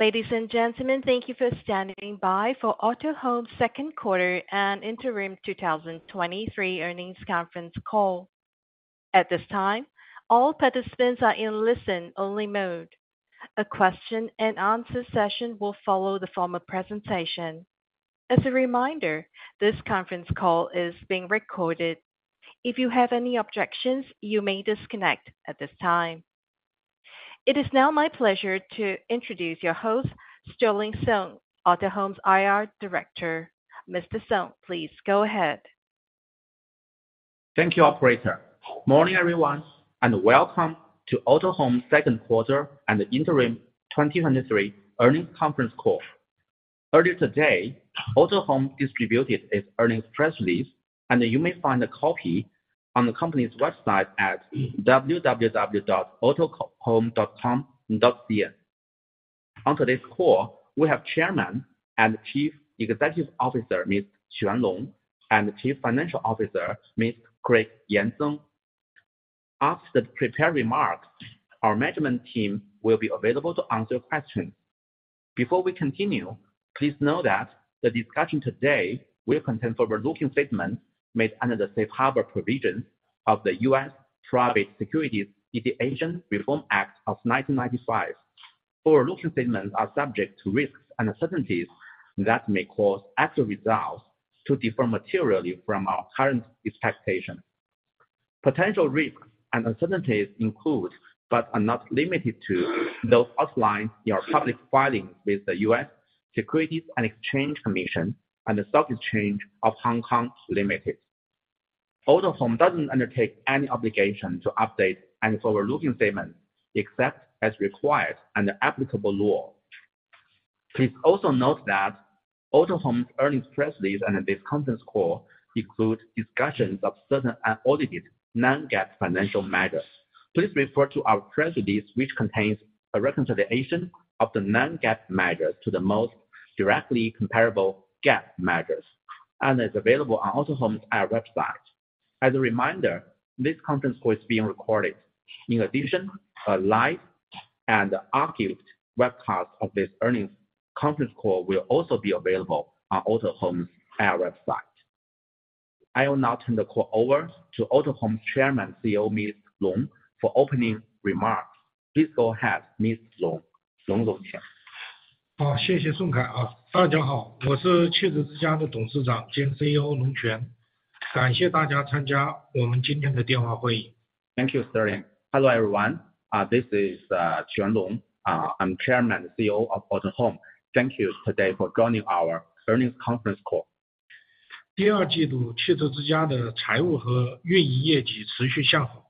Ladies and gentlemen, thank you for standing by for Autohome second quarter and interim 2023 earnings conference call. At this time, all participants are in listen-only mode. A question-and-answer session will follow the formal presentation. As a reminder, this conference call is being recorded. If you have any objections, you may disconnect at this time. It is now my pleasure to introduce your host, Sterling Song, Autohome's IR Director. Mr. Sung, please go ahead. Thank you, operator. Morning, everyone, and welcome to Autohome second quarter and interim 2023 earnings conference call. Earlier today, Autohome distributed its earnings press release, and you may find a copy on the company's website at www.autohome.com.cn. On today's call, we have Chairman and Chief Executive Officer, Mr. Quan Long, and Chief Financial Officer, Mr. Craig Yan Zeng. After the prepared remarks, our management team will be available to answer your questions. Before we continue, please know that the discussion today will contain forward-looking statements made under the safe harbor provisions of the U.S. Private Securities Litigation Reform Act of 1995. Forward-looking statements are subject to risks and uncertainties that may cause actual results to differ materially from our current expectations. Potential risks and uncertainties include, but are not limited to, those outlined in our public filings with the U.S. Securities and Exchange Commission and The Stock Exchange of Hong Kong Limited. Autohome doesn't undertake any obligation to update any forward-looking statements, except as required under applicable law. Please also note that Autohome's earnings press release and this conference call include discussions of certain unaudited non-GAAP financial measures. Please refer to our press release, which contains a reconciliation of the non-GAAP measures to the most directly comparable GAAP measures and is available on Autohome's IR website. As a reminder, this conference call is being recorded. In addition, a live and archived webcast of this earnings conference call will also be available on Autohome's IR website. I will now turn the call over to Autohome Chairman, CEO, Mr. Long, for opening remarks. Please go ahead, Mr. Long. Long Quan. 好， 谢谢宋凯啊！大家 好， 我是汽车之家的董事长兼 CEO 龙 泉， 感谢大家参加我们今天的电话会议。Thank you, Sterling. Hello, everyone. This is Quan Long. I'm Chairman and CEO of Autohome. Thank you today for joining our earnings conference call. 第二季 度， 汽车之家的财务和运营业绩持续向 好，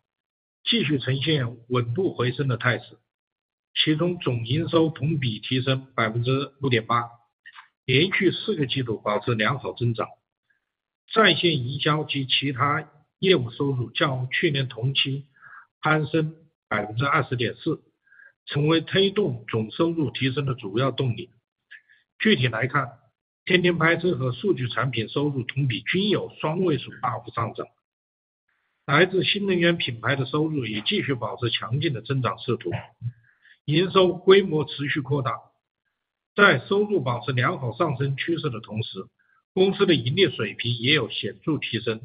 继续呈现稳步回升的态 势， 其中总营收同比提升百分之六点 八， 连续四个季度保持良好增长。在线营销及其他业务收入较去年同期攀升百分之二十点 四， 成为推动总收入提升的主要动力。具体来 看， 天天拍车和数据产品收入同比均有双位数大幅上 涨， 来自新能源品牌的收入也继续保持强劲的增长势 头， 营收规模持续扩大。在收入保持良好上升趋势的同 时， 公司的盈利水平也有显著提升。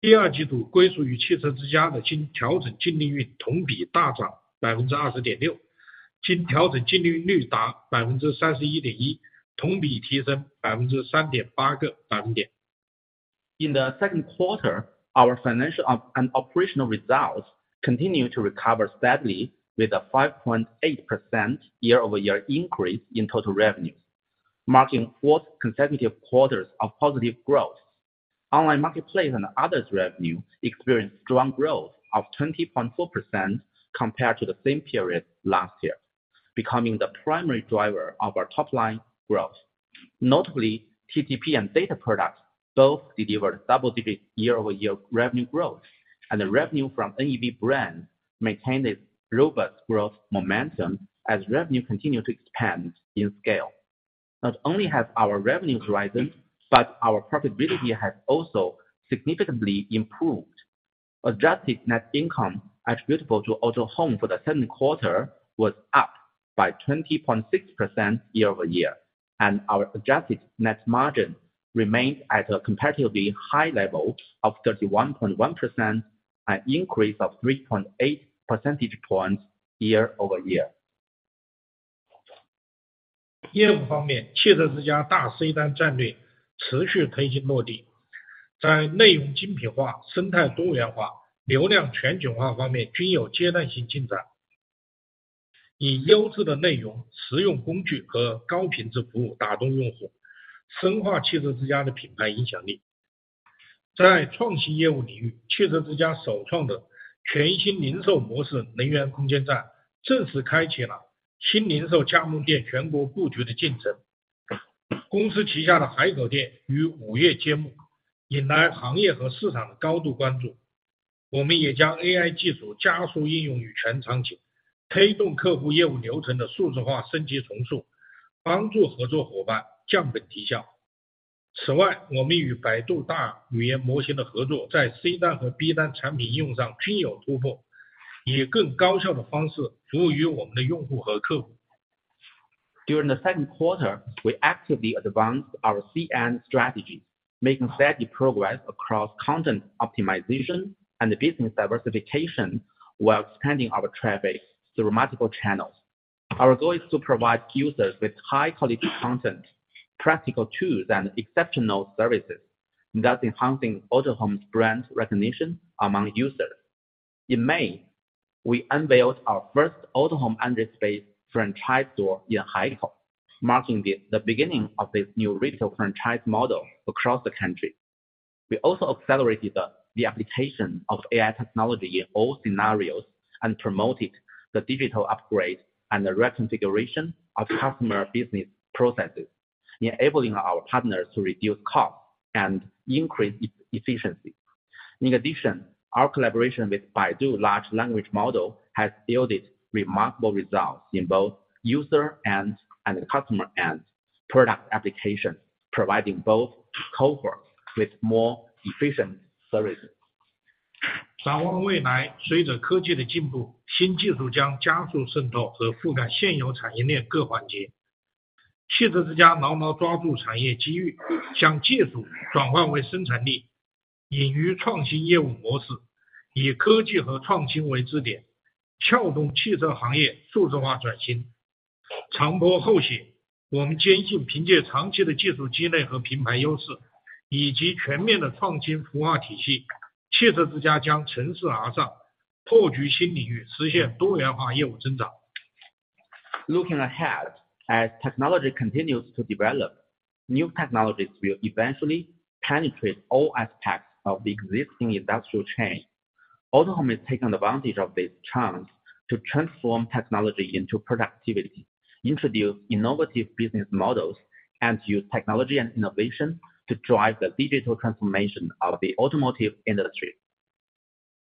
第二季 度， 归属于汽车之家的经调整净利润同比大涨百分之二十点 六， 经调整净利润率达百分之三十一点 一， 同比提升百分之三点八个百分点。In the second quarter, our financial and operational results continued to recover steadily with a 5.8% year-over-year increase in total revenue, marking four consecutive quarters of positive growth. Online marketplace and others revenue experienced strong growth of 20.4% compared to the same period last year, becoming the primary driver of our top-line growth. Notably, TTP and data products both delivered double-digit year-over-year revenue growth, and the revenue from NEV brand maintained its robust growth momentum as revenue continued to expand in scale. Not only has our revenue risen, but our profitability has also significantly improved. Adjusted net income attributable to Autohome for the second quarter was up by 20.6% year-over-year, and our adjusted net margin remains at a comparatively high level of 31.1%, an increase of 3.8 percentage points year-over-year. 业务方 面， 汽车之家大 C 端战略持续推进落 地， 在内容精品化、生态多元化、流量全局化方面均有阶段性进展。以优质的内容、实用工具和高品质服务打动用 户， 深化汽车之家的品牌影响力。在创新业务领 域， 汽车之家首创的全新零售模式能源空间 站， 正式开启了新零售加盟店全国布局的进程。公司旗下的海口店于五月揭 幕， 引来行业和市场的高度关注。我们也将 AI 技术加速应用于全场 景， 推动客户业务流程的数字化升级重 塑， 帮助合作伙伴降本提 效。... 此 外， 我们与百度大语言模型的合 作， 在 C 端和 B 端产品应用上均有突 破， 以更高效的方式服务于我们的用户和客户。During the second quarter, we actively advanced our CN strategy, making steady progress across content optimization and business diversification while expanding our traffic through multiple channels. Our goal is to provide users with high-quality content, practical tools, and exceptional services, thus enhancing Autohome's brand recognition among users. In May, we unveiled our first Autohome Energy Space franchise store in Haikou, marking the beginning of this new retail franchise model across the country. We also accelerated the application of AI technology in all scenarios and promoted the digital upgrade and the reconfiguration of customer business processes, enabling our partners to reduce costs and increase efficiency. In addition, our collaboration with Baidu large language model has yielded remarkable results in both user and customer end product application, providing both cohorts with more efficient services. 展望未 来, 随着科技的进 步, 新技术将加速渗透和覆盖现有产业链各环 节. 汽车之家牢牢抓住产业机 遇, 将技术转换为生产 力, 隐于创新业务模 式, 以科技和创新为支 点, 撬动汽车行业数字化转 型. 长波后 起, 我们坚 信, 凭借长期的技术积累和品牌优 势, 以及全面的创新服务体 系, 汽车之家将乘势而 上, 破局新领 域, 实现多元化业务增 长. Looking ahead, as technology continues to develop, new technologies will eventually penetrate all aspects of the existing industrial chain. Autohome is taking advantage of this chance to transform technology into productivity, introduce innovative business models, and use technology and innovation to drive the digital transformation of the automotive industry.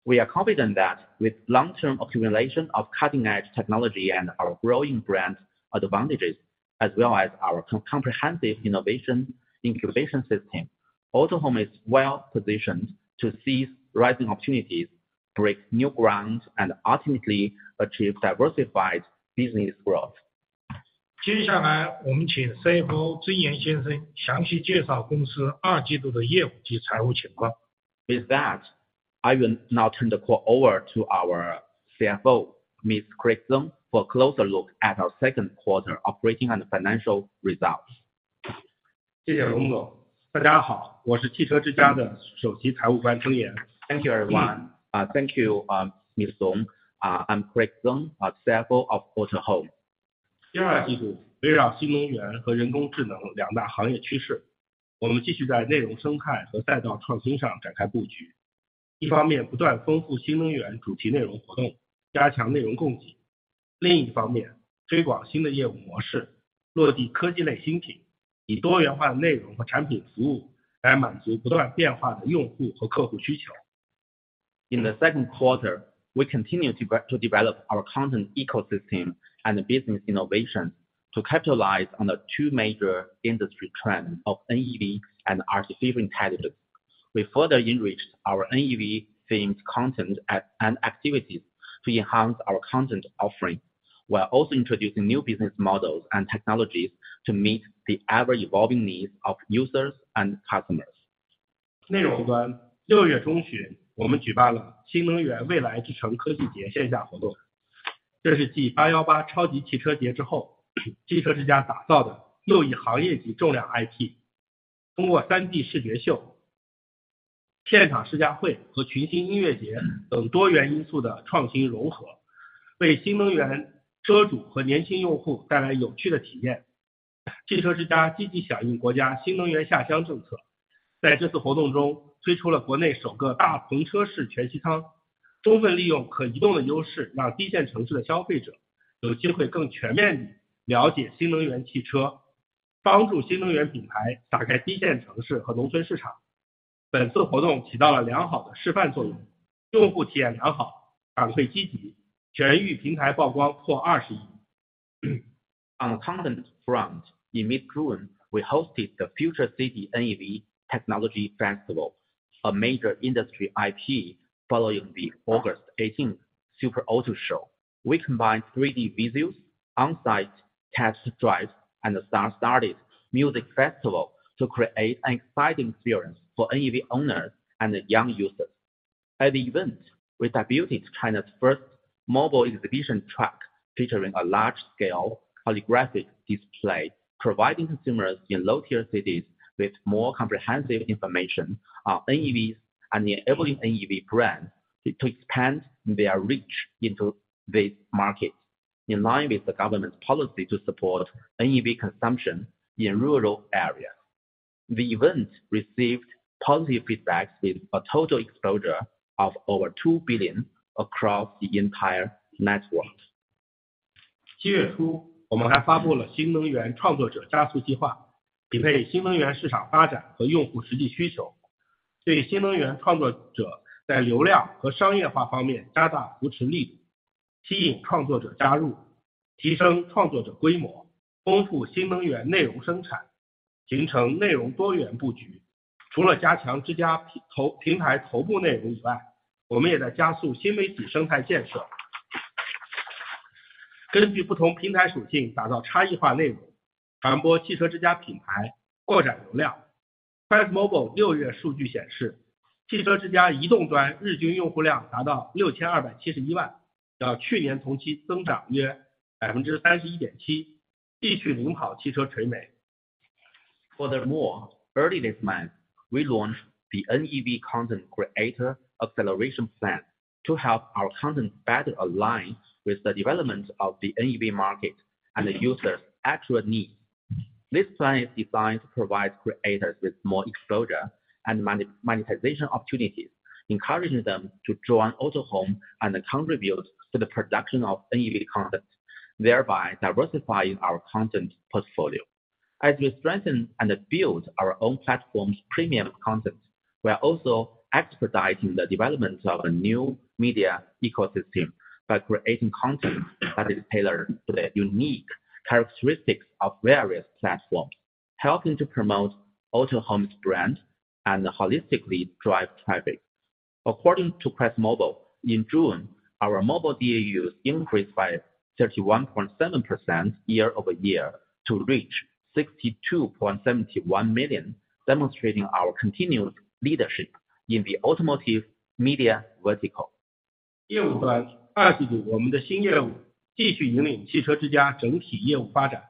We are confident that with long-term accumulation of cutting-edge technology and our growing brand advantages, as well as our comprehensive innovation incubation system, Autohome is well positioned to seize rising opportunities, break new ground, and ultimately achieve diversified business growth. 接下 来， 我们请 CFO 甄岩先生详细介绍公司二季度的业务及财务情况。With that, I will now turn the call over to our CFO, Mr Craig Zeng, for a closer look at our second quarter operating and financial results. 谢谢龙总。大家 好， 我是汽车之家的首席财务官甄岩。Thank you everyone, thank you, Mr Long. I'm Craig Zeng, CFO of Autohome. 第二季 度， 围绕新能源和人工智能两大行业趋 势， 我们继续在内容生态和赛道创新上展开布局。一方面不断丰富新能源主题内容活 动， 加强内容供 给， 另一方 面， 推广新的业务模 式， 落地科技类新 品， 以多元化的内容和产品服务来满足不断变化的用户和客户需求。In the second quarter, we continue to develop our content ecosystem and business innovation to capitalize on the two major industry trends of NEV and artificial intelligence. We further enrich our NEV themed content and activities to enhance our content offering, while also introducing new business models and technologies to meet the ever-evolving needs of users and customers. 内容 端， 六月中 旬， 我们举办了新能源未来之城科技节线下活 动， 这是继八幺八超级汽车节之 后， 汽车之家打造的又一行业级重量 IP。通过 3D 视觉秀、现场试驾会和群星音乐节等多元因素的创新融 合， 为新能源车主和年轻用户带来有趣的体验。汽车之家积极响应国家新能源下乡政 策， 在这次活动中推出了国内首个大棚车市全息 舱， 充分利用可移动的优 势， 让低线城市的消费者有机会更全面地了解新能源汽 车， 帮助新能源品牌打开低线城市和农村市场。本次活动起到了良好的示范作 用， 用户体验良 好， 反馈积极，全域平台曝光破二十亿。On the content front, in mid-June, we hosted the Future City NEV Technology Festival, a major industry IP. Following the August 18th Super Auto Show, we combined 3D visuals, on-site test drives, and a star-studded music festival to create an exciting experience for NEV owners and young users. At the event, we debuted China's first mobile exhibition truck, featuring a large-scale holographic display, providing consumers in low-tier cities with more comprehensive information on NEVs and enabling NEV brands to expand their reach into these markets. In line with the government's policy to support NEV consumption in rural areas, the event received positive feedback, with a total exposure of over 2 billion across the entire network. 七月 初， 我们还发布了新能源创作者加速计 划， 匹配新能源市场发展和用户实际需 求， 对新能源创作者在流量和商业化方面加大扶持力 度。... 吸引创作者加 入， 提升创作者规 模， 丰富新能源内容生 产， 形成内容多元布局。除了加强自家平头平台头部内容以外，我们也在加速新媒体生态建设。根据不同平台属性打造差异化内 容， 传播汽车之家品 牌， 扩展流量。快手六月数据显 示， 汽车之家移动端日均用户量达到六千二百七十一 万， 较去年同期增长约百分之三十一点 七， 继续领跑汽车垂美。Furthermore, early this month, we launch the NEV content creator acceleration plan to help our content better align with the development of the NEV market and the users actual needs. This plan is designed to provide creators with more exposure and monetization opportunities, encouraging them to join Autohome and contribute to the production of NEV content, thereby diversifying our content portfolio. As we strengthen and build our own platforms premium content, we are also expediting the development of a new media ecosystem by creating content that is tailored to the unique characteristics of various platforms, helping to promote Autohome brand and holistically drive traffic. According to QuestMobile, in June, our mobile DAU increased by 31.7% year-over-year to reach 62.71 million, demonstrating our continued leadership in the automotive media vertical. 业务端二季度我们的新业务继续引领汽车之家整体业务发展。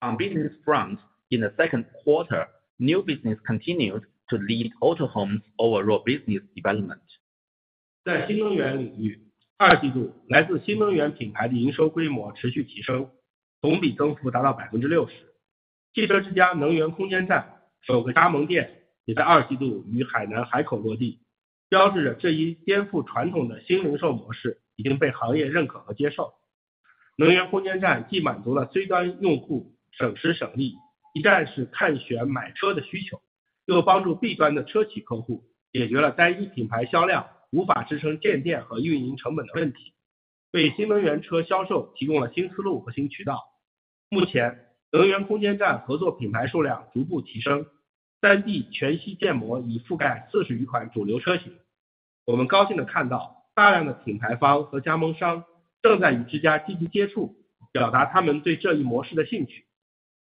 On business front, in the second quarter, new business continued to lead Autohome overall business development. 在新能源领 域， 二季度来自新能源品牌的营收规模持续提 升， 同比增幅达到百分之六十。汽车之家能源空间站首个加盟店也在二季度于海南海口落 地， 标志着这一颠覆传统的新零售模式已经被行业认可和接受。能源空间站既满足了 C 端用户省时省力、一站式看选买车的需 求， 又帮助 B 端的车企客户解决了单一品牌销量无法支撑建店和运营成本的问 题， 为新能源车销售提供了新思路和新渠道。目 前， 能源空间站合作品牌数量逐步提升，三 D 全息建模已覆盖四十余款主流车型。我们高兴地看 到， 大量的品牌方和加盟商正在与之家积极接 触， 表达他们对这一模式的兴趣。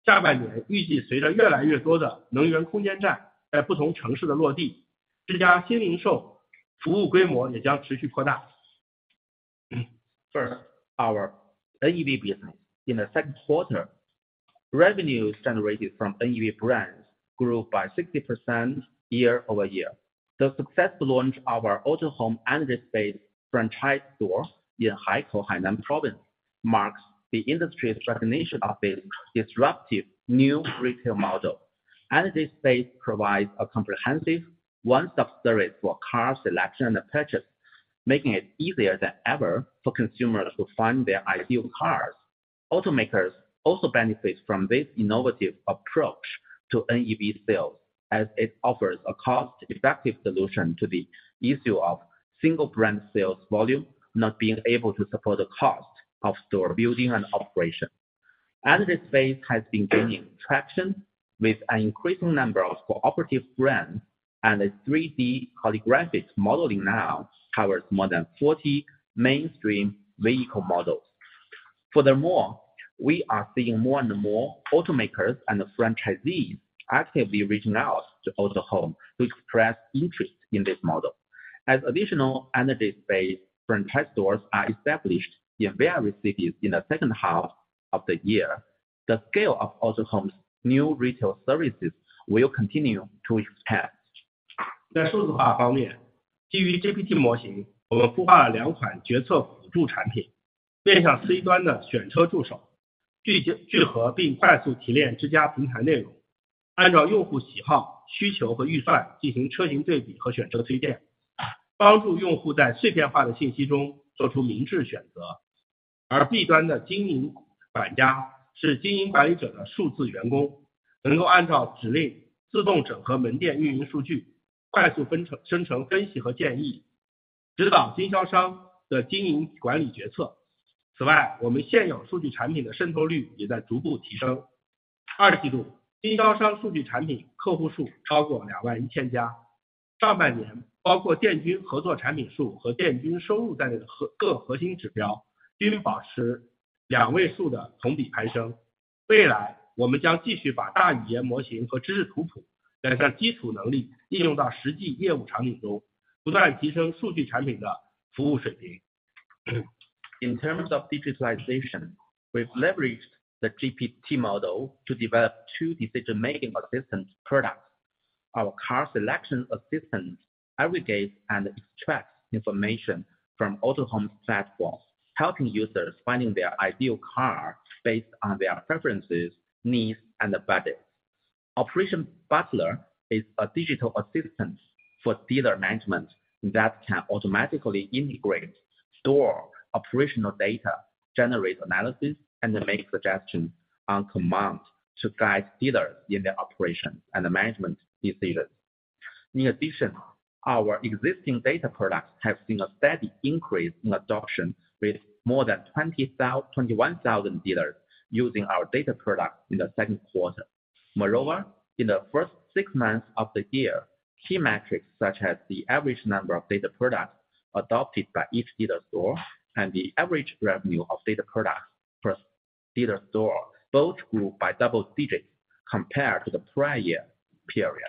下半年预计随着越来越多的能源空间站在不同城市的落 地， 之家新零售服务规模也将持续扩大。First, our NEV business. In the second quarter, revenue generated from NEV brands grew by 60% year-over-year. The successful launch of our Autohome Energy Space franchise store in Haikou, Hainan Province, marks the industry's recognition of this disruptive new retail model. This space provides a comprehensive one-stop service for car selection and purchase, making it easier than ever for consumers to find their ideal cars. Automakers also benefit from this innovative approach to NEV sales, as it offers a cost-effective solution to the issue of single-brand sales volume not being able to support the cost of store building and operation. This space has been gaining traction with an increasing number of cooperative brands, and a 3D holographic modeling now covers more than 40 mainstream vehicle models. Furthermore, we are seeing more and more automakers and franchisees actively reaching out to Autohome to express interest in this model. As additional Energy Space franchise stores are established in various cities in the second half of the year, the scale of Autohome's new retail services will continue to expand. 在数字化方 面， 基于 GPT 模 型， 我们孵化了两款决策辅助产 品， 面向 C 端的选车助 手， 聚集聚合并快速提炼之家平台内 容， 按照用户喜好、需求和预算进行车型对比和选车推 荐， 帮助用户在碎片化的信息中做出明智选择。而 B 端的经营管家是经营管理者的数字员 工， 能够按照指令自动整合门店运营数 据， 快速生成生成分析和建 议， 指导经销商的经营管理决策。此 外， 我们现有数据产品的渗透率也在逐步提升。二季 度， 经销商数据产品客户数超过两万一千 家， 上半年包括店均合作产品数和店均收入在内的核--个核心指标均保持两位数的同比攀升。未 来， 我们将继续把大语言模型和知识图谱等在基础能力应用到实际业务场景 中， 不断提升数据产品的服务水平。In terms of digitalization, we've leveraged the GPT model to develop tow decision-making assistance products. Our Car Selection Assistant aggregates and extracts information from Autohome platform, helping users finding their ideal car based on their preferences, needs, and budget. Operation Butler is a digital assistant for dealer management that can automatically integrate store operational data, generate analysis, and make suggestions on command to guide dealers in their operation and management decisions. In addition, our existing data products have seen a steady increase in adoption, with more than 21,000 dealers using our data products in the second quarter. Moreover, in the first six months of the year, key metrics such as the average number of data products adopted by each dealer store and the average revenue of data products per dealer store, both grew by double digits compared to the prior year period.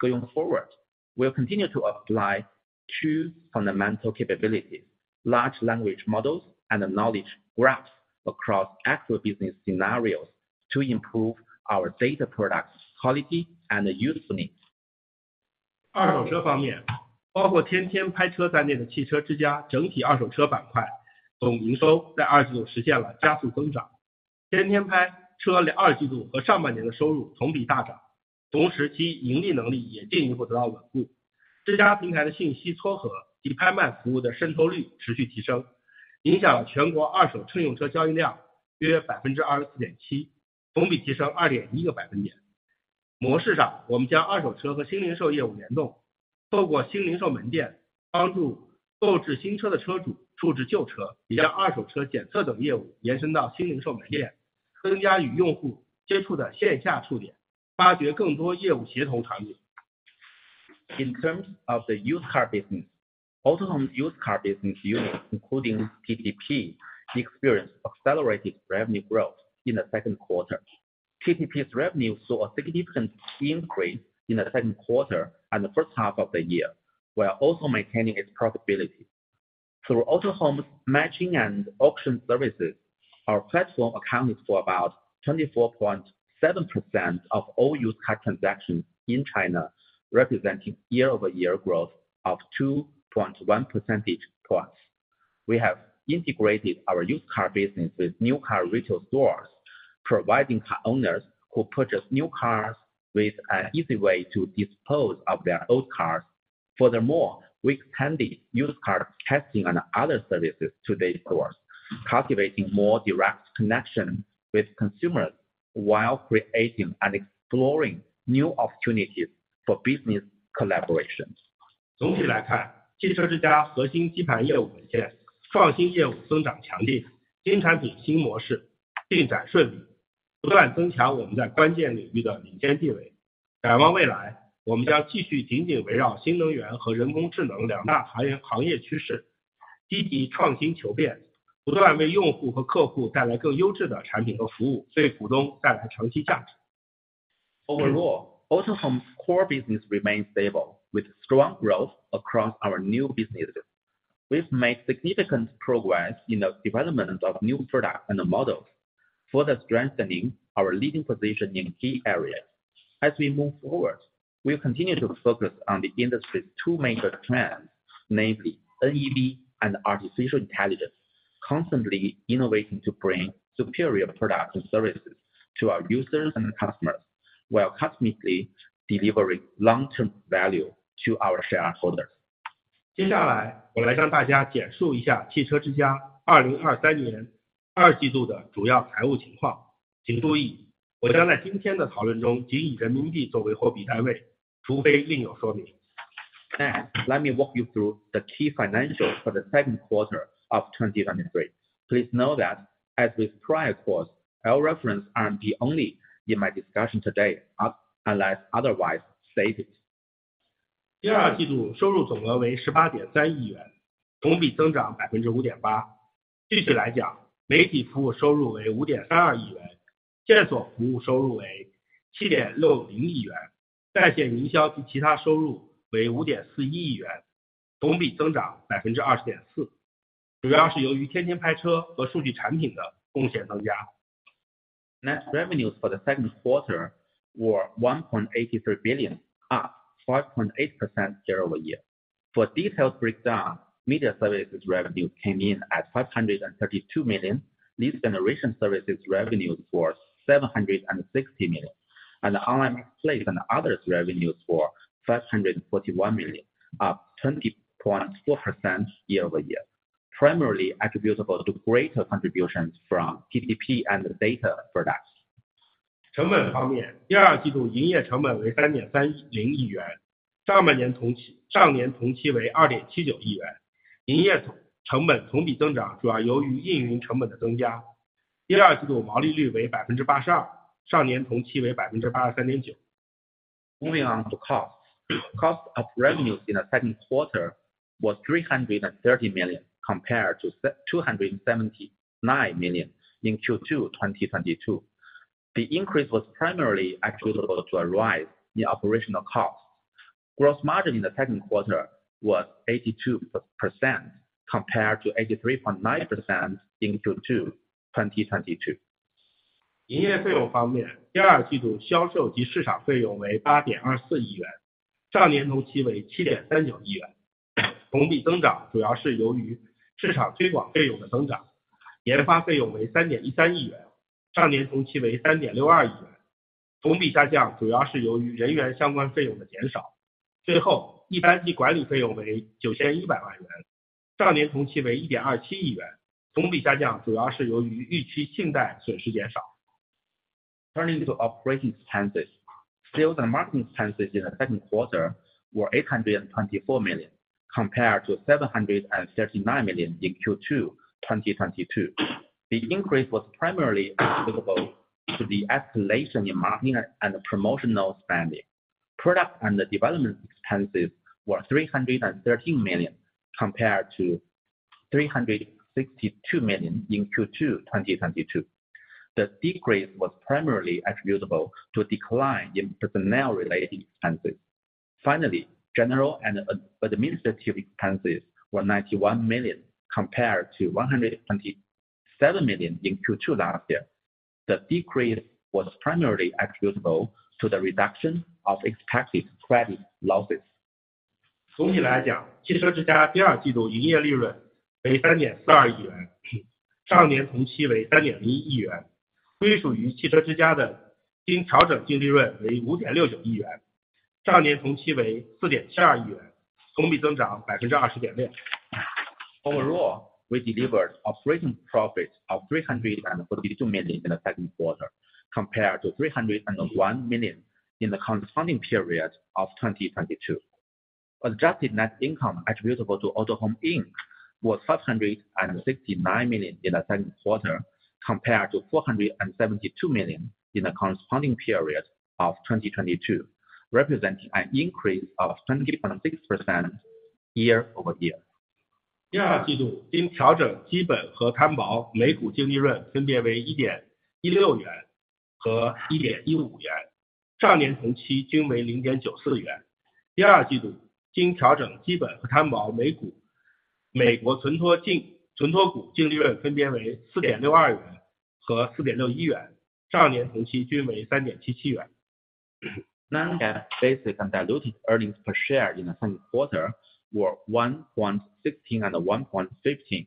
Going forward, we'll continue to apply two fundamental capabilities: large language models and the knowledge graphs across actual business scenarios to improve our data products, quality, and usefulness. 二手车方 面， 包括天天拍车在内的汽车之 家， 整体二手车板块总营收在二季度实现了加速增长。天天拍车在二季度和上半年的收入同比大 涨， 同时其盈利能力也进一步得到稳固。之家平台的信息撮合及拍卖服务的渗透率持续提 升， 影响了全国二手乘用车交易量约百分之二十四点 七， 同比提升二点一个百分点。模式 上， 我们将二手车和新零售业务联 动， 透过新零售门 店， 帮助购置新车的车主处置旧 车， 也让二手车检测等业务延伸到新零售门 店， 增加与用户接触的线下触 点， 发掘更多业务协同潜力。In terms of the used car business, Autohome Used Car business units, including TTP, experienced accelerated revenue growth in the second quarter. TTP's revenue saw a significant increase in the second quarter and the first half of the year, while also maintaining its profitability. Through Autohome matching and auction services, our platform accounted for about 24.7% of all used car transactions in China, representing year-over-year growth of 2.1 percentage points. We have integrated our used car business with new car retail stores, providing car owners who purchase new cars with an easy way to dispose of their old cars. Furthermore, we expanded used car testing and other services to date stores, cultivating more direct connections with consumers while creating and exploring new opportunities for business collaborations. 总体来 看, 汽车之家核心基盘业务稳 健, 创新业务增长强 劲, 新产 品, 新模式进展顺 利, 不断增强我们在关键领域的领先地 位. 展望未 来, 我们将继续紧紧围绕新能源和人工智能两大行 业, 行业趋 势, 积极创新求 变, 不断为用户和客户带来更优质的产品和服 务, 为股东带来长期价 值. Overall, Autohome's core business remains stable, with strong growth across our new businesses. We've made significant progress in the development of new products and models, further strengthening our leading position in key areas. We'll continue to focus on the industry's two major trends, namely NEV and artificial intelligence, constantly innovating to bring superior products and services to our users and customers, while constantly delivering long-term value to our shareholders. 接下 来， 我来跟大家简述一下汽车之家二零二三年二季度的主要财务情况。请注 意， 我将在今天的讨论中仅以人民币作为货币单 位， 除非另有说明。Next, let me walk you through the key financials for the second quarter of 2023. Please note that, as with prior quarters, I'll reference RMB only in my discussion today, unless otherwise stated. 第二季度收入总额为十八点三亿 元， 同比增长百分之五点八。具体来 讲， 媒体服务收入为五点三二亿 元， 线索服务收入为七点六零亿 元， 在线营销及其他收入为五点四一亿 元， 同比增长百分之二十点 四， 主要是由于天天拍车和数据产品的贡献增加。Net revenues for the second quarter were 1.83 billion, up 5.8% year-over-year. For a detailed breakdown, media services revenue came in at 532 million, lead generation services revenue was 760 million, and online marketplace and others revenues for 541 million, up 20.4% year-over-year, primarily attributable to greater contributions from TTP and data products. 成本方 面， 第二季度营业成本为三点三零亿 元， 上半年同 期， 上年同期为二点七九亿 元， 营业总成本同比增 长， 主要由于运营成本的增加。第二季度毛利率为百分之八十 二， 上年同期为百分之八十三点九。Moving on to cost. Cost of revenues in the second quarter was 330 million, compared to 279 million in Q2 2022. The increase was primarily attributable to a rise in operational costs. Gross margin in the second quarter was 82%, compared to 83.9% in Q2 2022. 营业费用方 面， 第二季度销售及市场费用为八点二四亿 元， 上年同期为七点三九亿 元， 同比增长主要是由于市场推广费用的增 长， 研发费用为三点一三亿 元， 上年同期为三点六二亿元。同比下降主要是由于人员相关费用的减少。最 后， 一般及管理费用为九千一百万 元， 上年同期为一点二七亿 元， 同比下降主要是由于预期信贷损失减少。Turning to operating expenses. Sales and marketing expenses in the second quarter were 824 million, compared to 739 million in Q2 2022. The increase was primarily attributable to the escalation in marketing and promotional spending. Product and development expenses were 313 million, compared to 362 million in Q2 2022. The decrease was primarily attributable to a decline in personnel-related expenses. Finally, general and administrative expenses were 91 million, compared to 127 million in Q2 last year. The decrease was primarily attributable to the reduction of expected credit losses. 总体来 讲, 汽车之家第二季度营业利润为 RMB 342 million, 上年同期为 RMB 301 million. 归属于汽车之家的经调整净利润为 RMB 569 million, 上年同期为 RMB 472 million, 同比增长 20.6%。Overall, we delivered operating profits of 342 million in the second quarter, compared to 301 million in the corresponding period of 2022. Adjusted net income attributable to Autohome Inc. was 569 million in the second quarter, compared to 472 million in the corresponding period of 2022, representing an increase of 20.6% year-over-year. 第二季度经调整基本和摊薄每股净利润分别为一点一六元和一点一五 元， 上年同期均为零点九四元。第二季度经调整基本和摊薄每股美国存托凭 证， 存托股净利润分别为四点六二元和四点六一 元， 上年同期均为三点七七元。Non-GAAP basic and diluted earnings per share in the second quarter were 1.16 and 1.15,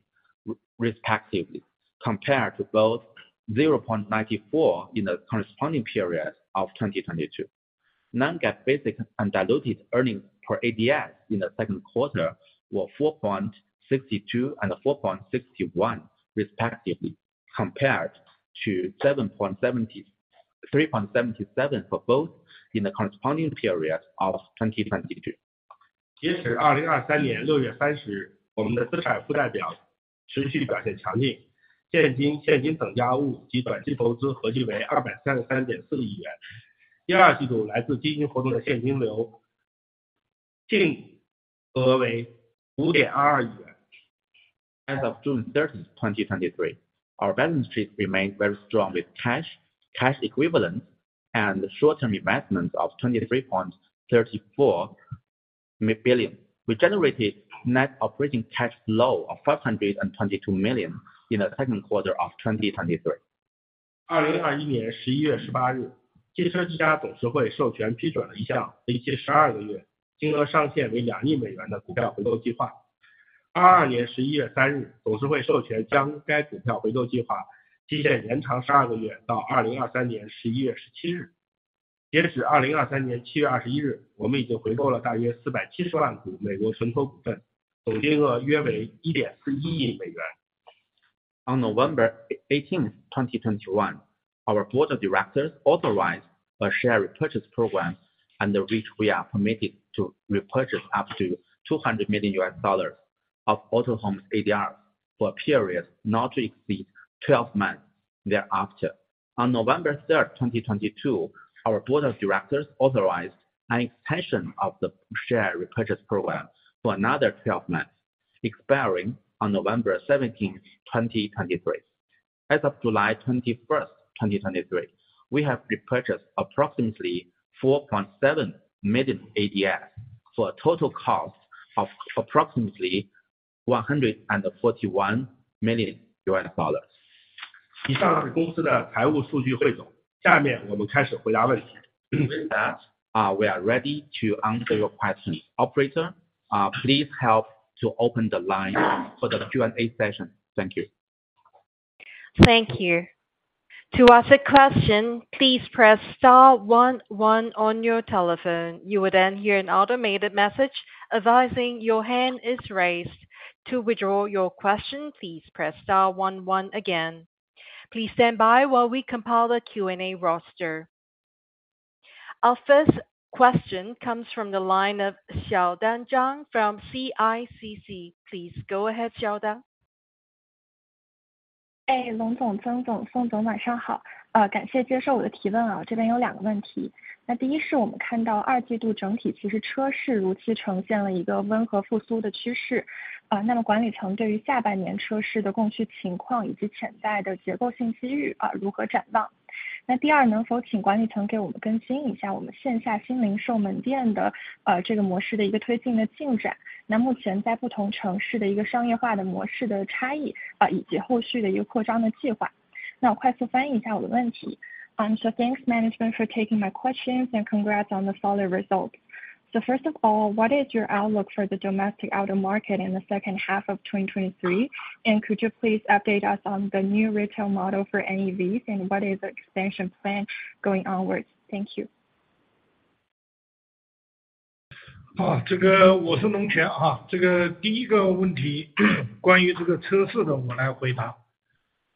respectively, compared to both 0.94 in the corresponding period of 2022. Non-GAAP basic and diluted earnings per ADS in the second quarter were 4.62 and 4.61, respectively, compared to 3.77 for both in the corresponding period of 2022. 截止二零二三年六月三十 日， 我们的资产负债表持续表现强 劲， 现金、现金等价物及短期投资合计为二百三十三点四亿元。第二季 度， 来自经营活动的现金流净额为五点二二亿元。As of June 30, 2023, our balance sheet remained very strong with cash, cash equivalent and short-term investments of 23.34 billion. We generated net operating cash flow of 522 million in the second quarter of 2023. 二零二一年十一月十八 日， 汽车之家董事会授权批准了一项为期十二个 月， 金额上限为两亿美元的股票回购计划。二二年十一月三 日， 董事会授权将该股票回购计划期限延长十二个 月， 到二零二三年十一月十七日。截止二零二三年七月二十一 日， 我们已经回购了大约四百七十万股美国存托股 份， 总金额约为一点四一亿美元。On November 18, 2021, our board of directors authorized a share repurchase program under which we are permitted to repurchase up to $200 million of Autohome's ADR for a period not to exceed 12 months thereafter. On November 3rd, 2022, our board of directors authorized an extension of the share repurchase program for another 12 months, expiring on November 17th, 2023. As of July 21st, 2023, we have repurchased approximately 4.7 million ADS for a total cost of approximately $141 million. 以上是公司的财务数据汇总。下面我们开始回答问题。We are ready to answer your questions. Operator, please help to open the line for the Q&A session. Thank you. Thank you. To ask a question, please press star one one on your telephone. You will then hear an automated message advising your hand is raised. To withdraw your question, please press star one one again. Please stand by while we compile the Q&A roster. Our first question comes from the line of Xiaodan Zhang from CICC. Please go ahead, Xiaodan. 哎， 龙 总， 曾总、宋 总， 晚上 好！ 呃， 感谢接受我的提问啊。这边有两个问 题， 那第一是我们看到二季度整体其实车市如期呈现了一个温和复苏的趋势。呃， 那么管理层对于下半年车市的供需情况以及潜在的结构性机遇 啊， 如何展 望？ 那第 二， 能否请管理层给我们更新一下我们线下新零售门店 的， 呃， 这个模式的一个推进的进 展， 那目前在不同城市的一个商业化的模式的差 异， 啊， 以及后续的一个扩张的计划。那我快速翻译一下我的问题。Um, so thanks management for taking my questions and congrats on the solid result. First of all, what is your outlook for the domestic auto market in the second half of 2023? Could you please update us on the new retail model for NEVs, and what is the expansion plan going onwards? Thank you. 这个我是龙 泉. 这个第一个问 题, 关于这个车市 的, 我来回 答.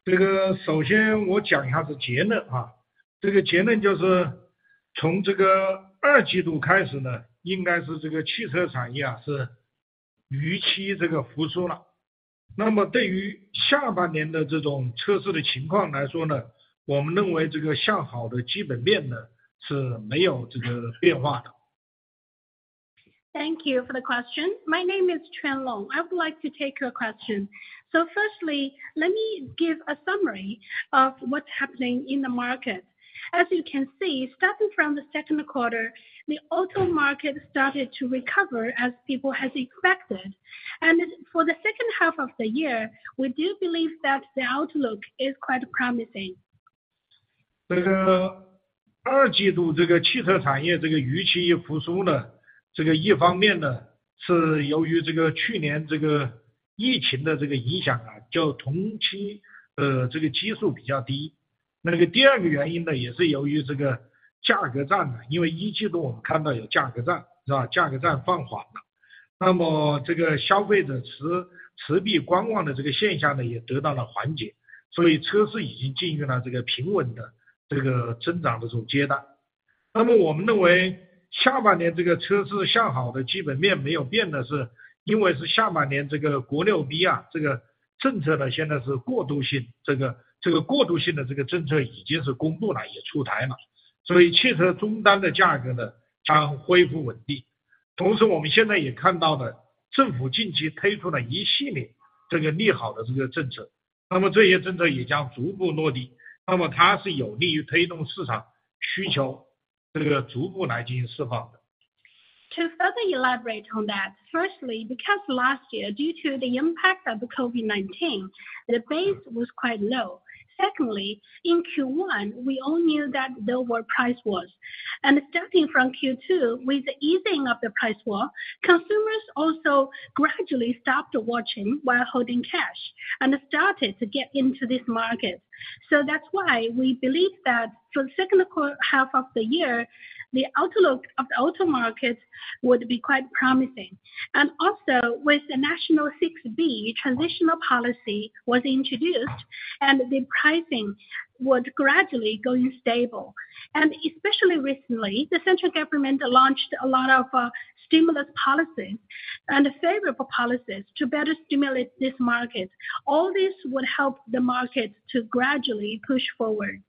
这个首先我讲一下这结 论. 这个结论就是从这个 2Q 开始 呢, 应该是这个汽车产业是预期这个复苏 了. 对于下半年的这种车市的情况来说 呢, 我们认为这个向好的基本面 呢, 是没有这个变化 的. Thank you for the question. My name is Quan Long. I would like to take your question. Firstly, let me give a summary of what's happening in the market. As you can see, starting from the 2nd quarter, the auto market started to recover as people has expected. For the 2nd half of the year, we do believe that the outlook is quite promising. 这个二季度这个汽车产业这个预期复苏 呢， 这个一方面 呢， 是由于这个去年这个疫情的这个影响 啊， 就同 期， 呃， 这个基数比较低。那个第二个原因 呢， 也是由于这个价格战 呢， 因为一季度我们看到有价格战是 吧， 价格战放缓 了， 那么这个消费者 持， 持币观望的这个现象 呢， 也得到了缓 解， 所以车市已经进入了这个平稳的这个增长的这种阶段。那么我们认为下半年这个车市向好的基本面没有变的 是， 因为是下半年这个国六 B 啊这个政策 呢， 现在是过渡 性， 这 个， 这个过渡性的这个政策已经是公布 了， 也出台 了， 所以汽车终端的价格 呢， 将恢复稳定。同时我们现在也看到 了， 政府近期推出了一系列这个利好的这个政 策， 那么这些政策也将逐步落 地， 那么它是有利于推动市场需求这个逐步来进行释放的。To further elaborate on that, firstly, because last year, due to the impact of the COVID-19, the base was quite low. Secondly, in Q1, we all knew that there were price wars. Starting from Q2, with the easing of the price war, consumers also gradually stopped watching while holding cash and started to get into this market. That's why we believe that for the second half of the year, the outlook of the auto market would be quite promising. Also with the National VI B transitional policy was introduced and the pricing would gradually going stable. Especially recently, the central government launched a lot of stimulus policies and favorable policies to better stimulate this market. All this would help the market to gradually push forward.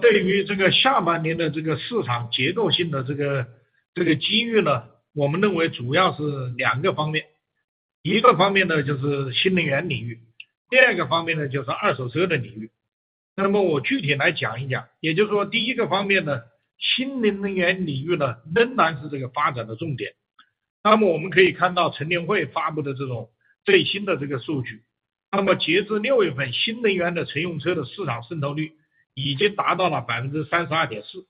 对于这个下半年的这个市场节奏性的这 个， 这个机遇 呢， 我们认为主要是2个方 面， 1个方面 呢， 就是新能源领 域， 第二个方面 呢， 就是二手车的领域。我具体来讲一 讲， 也就是说第一个方面 呢， 新能源领域 呢， 仍然是这个发展的重点。我们可以看到乘联会发布的这种最新的这个数 据， 截至 June 份， 新能源的乘用车的市场渗透率已经达到了 32.4%。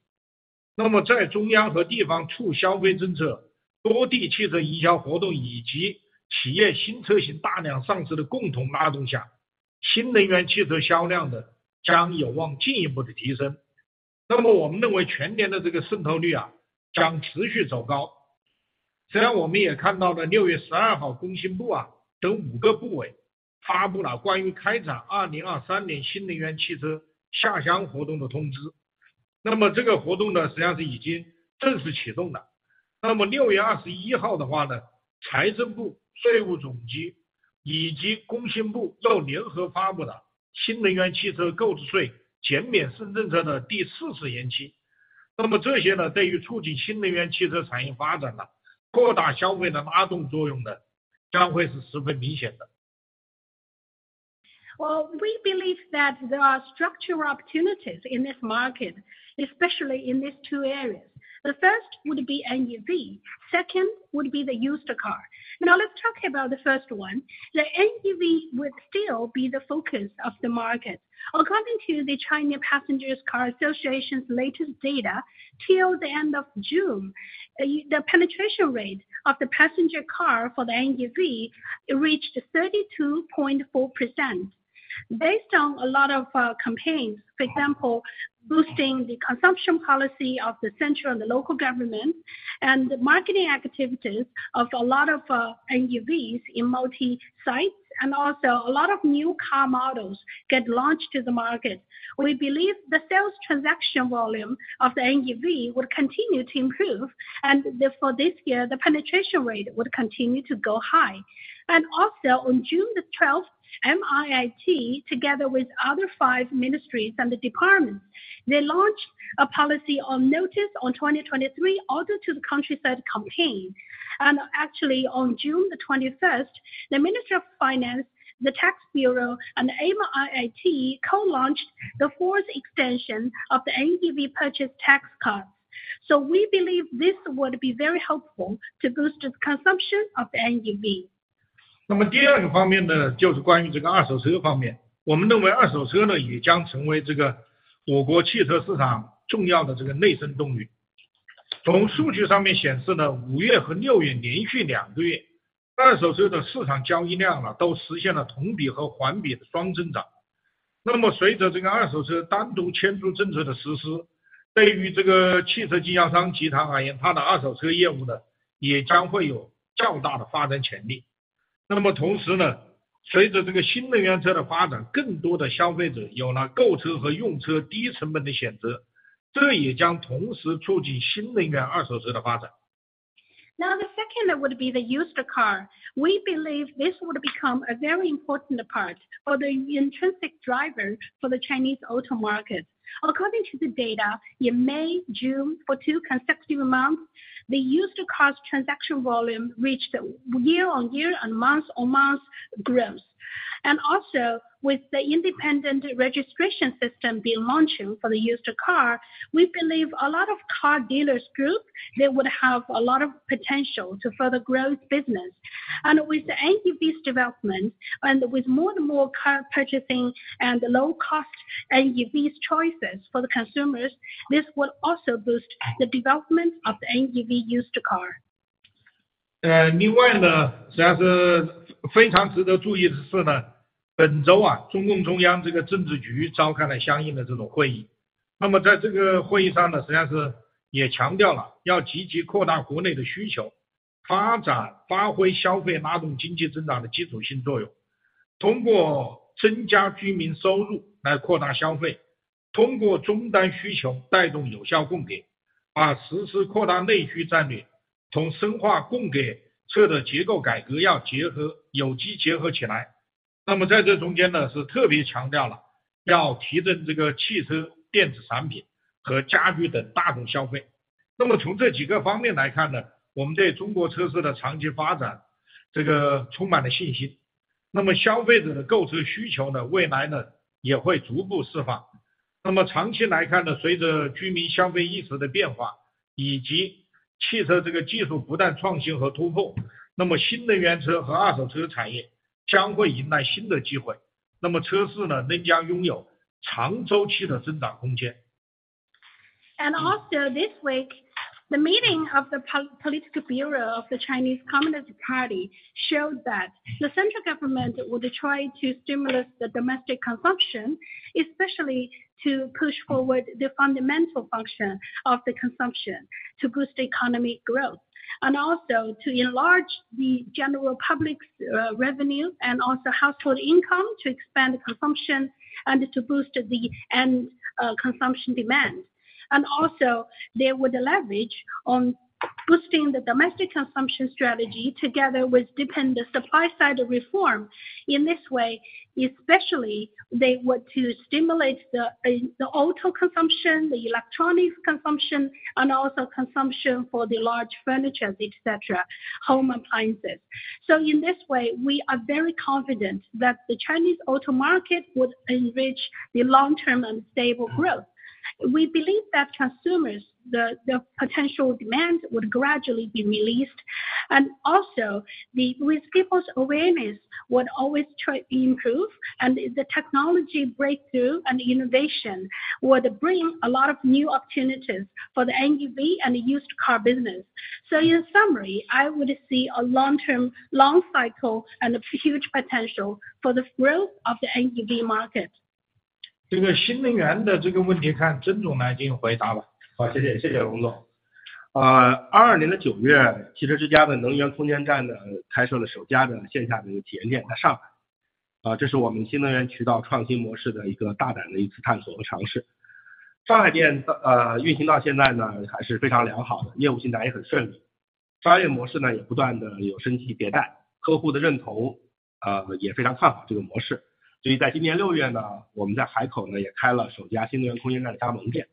在中央和地方促消费政策、多地汽车营销活动以及企业新车型大量上市的共同拉动 下， 新能源汽车销量的将有望进一步的提升。我们认为全年的这个渗透 率， 将持续走高。虽然我们也看到了 June 12， Ministry of Industry and Information Technology 等5个部委发布了关于开展2023年 New Energy Vehicles to the Countryside 活动的通 知， 这个活动 呢， 实际上是已经正式启动的。June 21的话 呢， Ministry of Finance、State Taxation Administration 以及 Ministry of Industry and Information Technology 又联合发布了新能源汽车购置税减免政策的第四次延期。这些 呢， 对于促进新能源汽车产业发展 呢， 扩大消费的拉动作用 呢， 将会是十分明显的。Well, we believe that there are structural opportunities in this market, especially in these two areas. The first would be NEV. Second would be the used car. Let's talk about the first one. The NEV would still be the focus of the market. According to the China Passenger Car Association's latest data till the end of June, the penetration rate of the passenger car for the NEV reached 32.4%. Based on a lot of campaigns, for example, boosting the consumption policy of the central and the local government and the marketing activities of a lot of NEVs in multi-sites, and also a lot of new car models get launched to the market. We believe the sales transaction volume of the NEV will continue to improve, and for this year, the penetration rate would continue to go high. Also on June the 12th, MIIT, together with other five ministries and departments, they launched a policy on notice on 2023 Order to the Countryside Campaign. Actually, on June the 21st, the Ministry of Finance, the Tax Bureau and the MIIT, co-launched the fourth extension of the NEV purchase tax cut. We believe this would be very helpful to boost the consumption of the NEV. 第二个方面 呢， 就是关于这个二手车方 面， 我们认为二手车 呢， 也将成为这个我国汽车市场重要的这个内生动力。从数据上面显示 呢， 五月和六月连续两个 月， 二手车的市场交易量 呢， 都实现了同比和环比的双增 长。... 随着这个二手车单独迁出政策的实 施， 对于这个汽车经销商集团而 言， 它的二手车业务 呢， 也将会有较大的发展潜 力. 同时 呢， 随着这个新能源车的发 展， 更多的消费者有了购车和用车低成本的选 择， 这也将同时促进新能源二手车的发 展. The second would be the used car. We believe this would become a very important part for the intrinsic driver for the Chinese auto market. According to the data, in May, June for two consecutive months, the used car transaction volume reached year-over-year and month-over-month growth. Also with the independent registration system being launching for the used car, we believe a lot of car dealers group, they would have a lot of potential to further growth business. With the NEV's development, and with more and more car purchasing and low-cost NEV choices for the consumers, this will also boost the development of the NEV used car. 呃， 另外 呢， 实际上是非常值得注意的是 呢， 本周 啊， 中共中央这个政治局召开了相应的这种会 议， 那么在这个会议上 呢， 实际上是也强调 了， 要积极扩大国内的需 求， 发展发挥消费拉动经济增长的基础性作 用， 通过增加居民收入来扩大消 费， 通过终端需求带动有效供 给， 啊实施扩大内需战 略， 从深化供给侧的结构改革要结 合， 有机结合起来。那么在这中间 呢， 是特别强调了要提振这个汽车、电子产品和家具等大宗消费。那么从这几个方面来看 呢， 我们对中国车市的长期发展这个充满了信心。那么消费者的购车需求 呢， 未来呢也会逐步释放。那么长期来看 呢， 随着居民消费意识的变 化， 以及汽车这个技术不断创新和突 破， 那么新能源车和二手车产业将会迎来新的机 会， 那么车市 呢， 也将拥有长周期的增长空间。This week, the meeting of the Political Bureau of the Chinese Communist Party showed that the central government would try to stimulus the domestic consumption, especially to push forward the fundamental function of the consumption to boost economy growth, and also to enlarge the general public's revenue, and also household income to expand consumption, and to boost the end consumption demand. They would leverage on boosting the domestic consumption strategy together with deepen the supply side reform. In this way, especially they want to stimulate the auto consumption, the electronics consumption, and also consumption for the large furniture, etc. home appliances. In this way, we are very confident that the Chinese auto market would enrich the long term and stable growth. We believe that consumers the potential demand would gradually be released. With people's awareness would always try improve and the technology breakthrough and innovation would bring a lot of new opportunities for the NEV and the used car business. In summary, I would see a long-term, long-cycle and a huge potential for the growth of the NEV market. 这个新能源的这个问题看郑总来进行回答吧。好， 谢 谢， 谢谢龙总。啊， 二二年的九 月， 汽车之家的能源空间站 呢， 开设了首家的线下的体验店在上海。啊， 这是我们新能源渠道创新模式的一个大胆的一次探索和尝试。上海店 呃， 运行到现在 呢， 还是非常良好 的， 业务进展也很顺 利， 商业模式 呢， 也不断的有升级迭 代， 客户的认 同， 啊， 也非常看好这个模式。所以在今年六月 呢， 我们在海口 呢， 也开了首家新能源空间站的加盟店。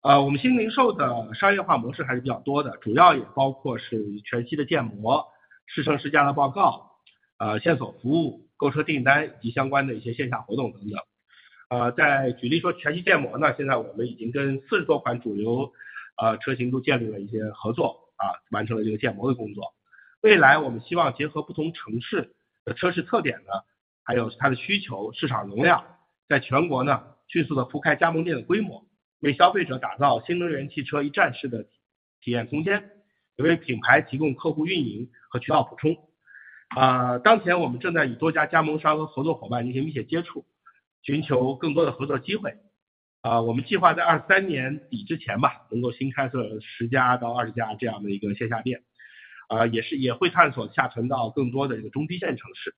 啊， 我们新零售的商业化模式还是比较多 的， 主要也包括是全息的建模、试乘试驾的报 告， 啊， 线索服务、购车订单以及相关的一些线下活动等等。呃， 再举例说全息建模 呢， 现在我们已经跟四十多款主流啊车型都建立了一些合 作， 啊， 完成了这个建模的工作。未来我们希望结合不同城市的车市特点呢，还有它的需 求， 市场容 量， 在全国 呢， 迅速地覆盖加盟店的规 模， 为消费者打造新能源汽车一站式的体验空 间， 也为品牌提供客户运营和渠道补充。啊， 当前我们正在与多家加盟商和合作伙伴进行密切接 触， 寻求更多的合作机会。啊， 我们计划在二三年底之前 吧， 能够新开设十家到二十家这样的一个线下 店， 啊也 是， 也会探索下沉到更多的这个中低线城市。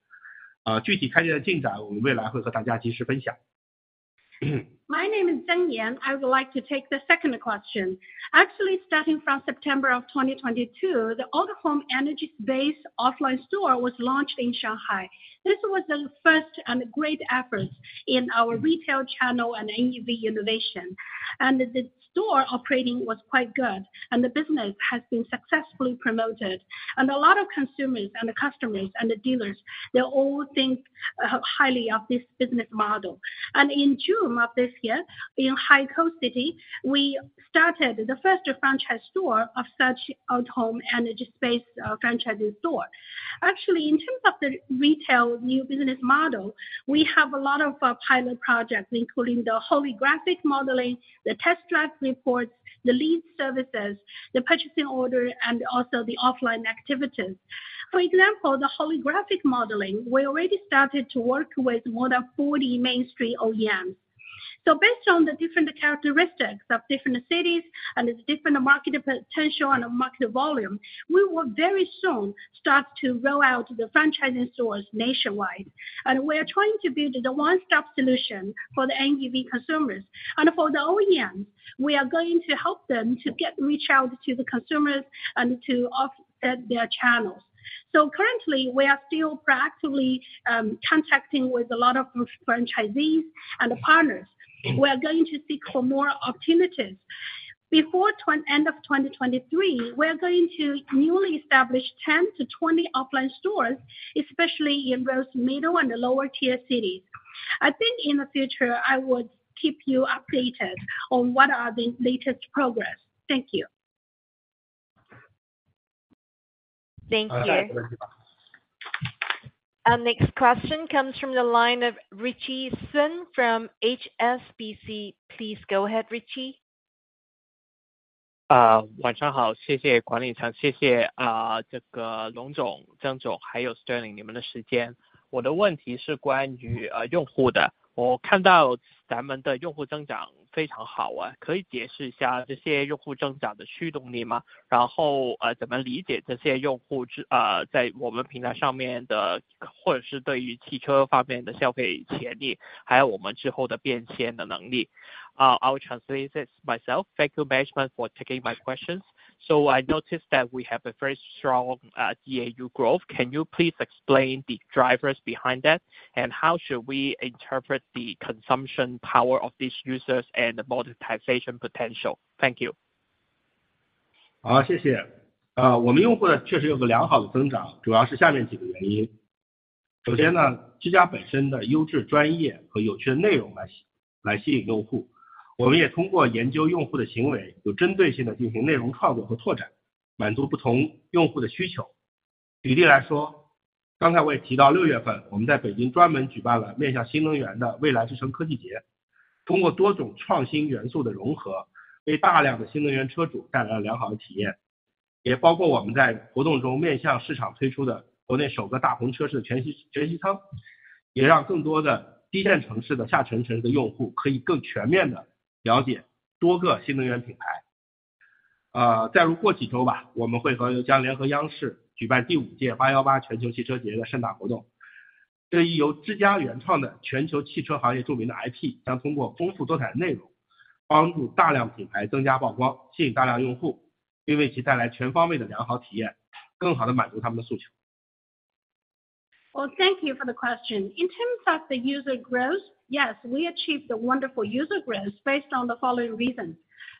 啊， 具体开店的进 展， 我们未来会和大家及时分享。My name is Zeng Yan, I would like to take the second question. Starting from September of 2022, the Autohome Energy Space offline store was launched in Shanghai. This was the first and great effort in our retail channel and NEV innovation. The store operating was quite good, and the business has been successfully promoted. A lot of consumers and the customers and the dealers, they all think highly of this business model. In June of this year, in Haikou, we started the first franchise store of such Autohome Energy Space franchise store. In terms of the retail new business model, we have a lot of pilot projects, including the holographic modeling, the test drive reports, the lead services, the purchasing order, and also the offline activities. For example, the holographic modeling, we already started to work with more than 40 mainstream OEMs. Based on the different characteristics of different cities and its different market potential and market volume, we will very soon start to roll out the franchising stores nationwide. We're trying to build the one-stop solution for the NEV consumers. For the OEMs, we are going to help them to get reach out to the consumers and to offset their channels. Currently, we are still proactively contracting with a lot of franchisees and partners. We are going to seek for more opportunities. Before end of 2023, we are going to newly establish 10-20 offline stores, especially in those middle and the lower tier cities. I think in the future, I would keep you updated on what are the latest progress. Thank you. Thank you. Thank you. Our next question comes from the line of Ritchie Sun from HSBC. Please go ahead, Ritchie. Uh, 说 话， 谢谢管理 层， 谢 谢， uh, 这个龙总、张 总， 还有 Sterling， 你们的时间。我的问题是关于 啊， 用户 的， 我看到咱们的用户增长非常好 啊， 可以解释一下这些用户增长的驱动力 吗？ 然 后， 呃， 怎么理解这些用 户， 呃， 在我们平台上面 的， 或者是对于汽车方面的消费潜 力， 还有我们之后的变现的能力。Uh, I will translate this myself. Thank you, management, for taking my questions. I noticed that we have a very strong DAU growth. Can you please explain the drivers behind that? How should we interpret the consumption power of these users and the monetization potential? Thank you. 好， 谢谢。啊， 我们用户 呢， 确实有个良好的增 长， 主要是下面几个原 因： 首先 呢， 自家本身的优质、专业和有趣的内容 来， 来吸引用 户， 我们也通过研究用户的行 为， 有针对性地进行内容创作和拓 展， 满足不同用户的需求。举例来 说， 刚才我也提 到， 六月份我们在北京专门举办了面向新能源的未来之城科技 节， 通过多种创新元素的融 合， 为大量的新能源车主带来了良好的体 验， 也包括我们在活动中面向市场推出的国内首个大屏车市全 息， 全息 舱， 也让更多的低线城市的下沉用户的用户可以更全面地了解多个新能源品牌。啊... 再过几周 吧， 我们会和将联合央视举办第五届八幺八全球汽车节的盛大活动。这一由之家原创的全球汽车行业著名的 IP， 将通过丰富多彩的内 容， 帮助大量品牌增加曝 光， 吸引大量用 户， 并为其带来全方位的良好体 验， 更好地满足他们的诉求。Well, thank you for the question. In terms of the user growth, yes, we achieved a wonderful user growth based on the following reasons: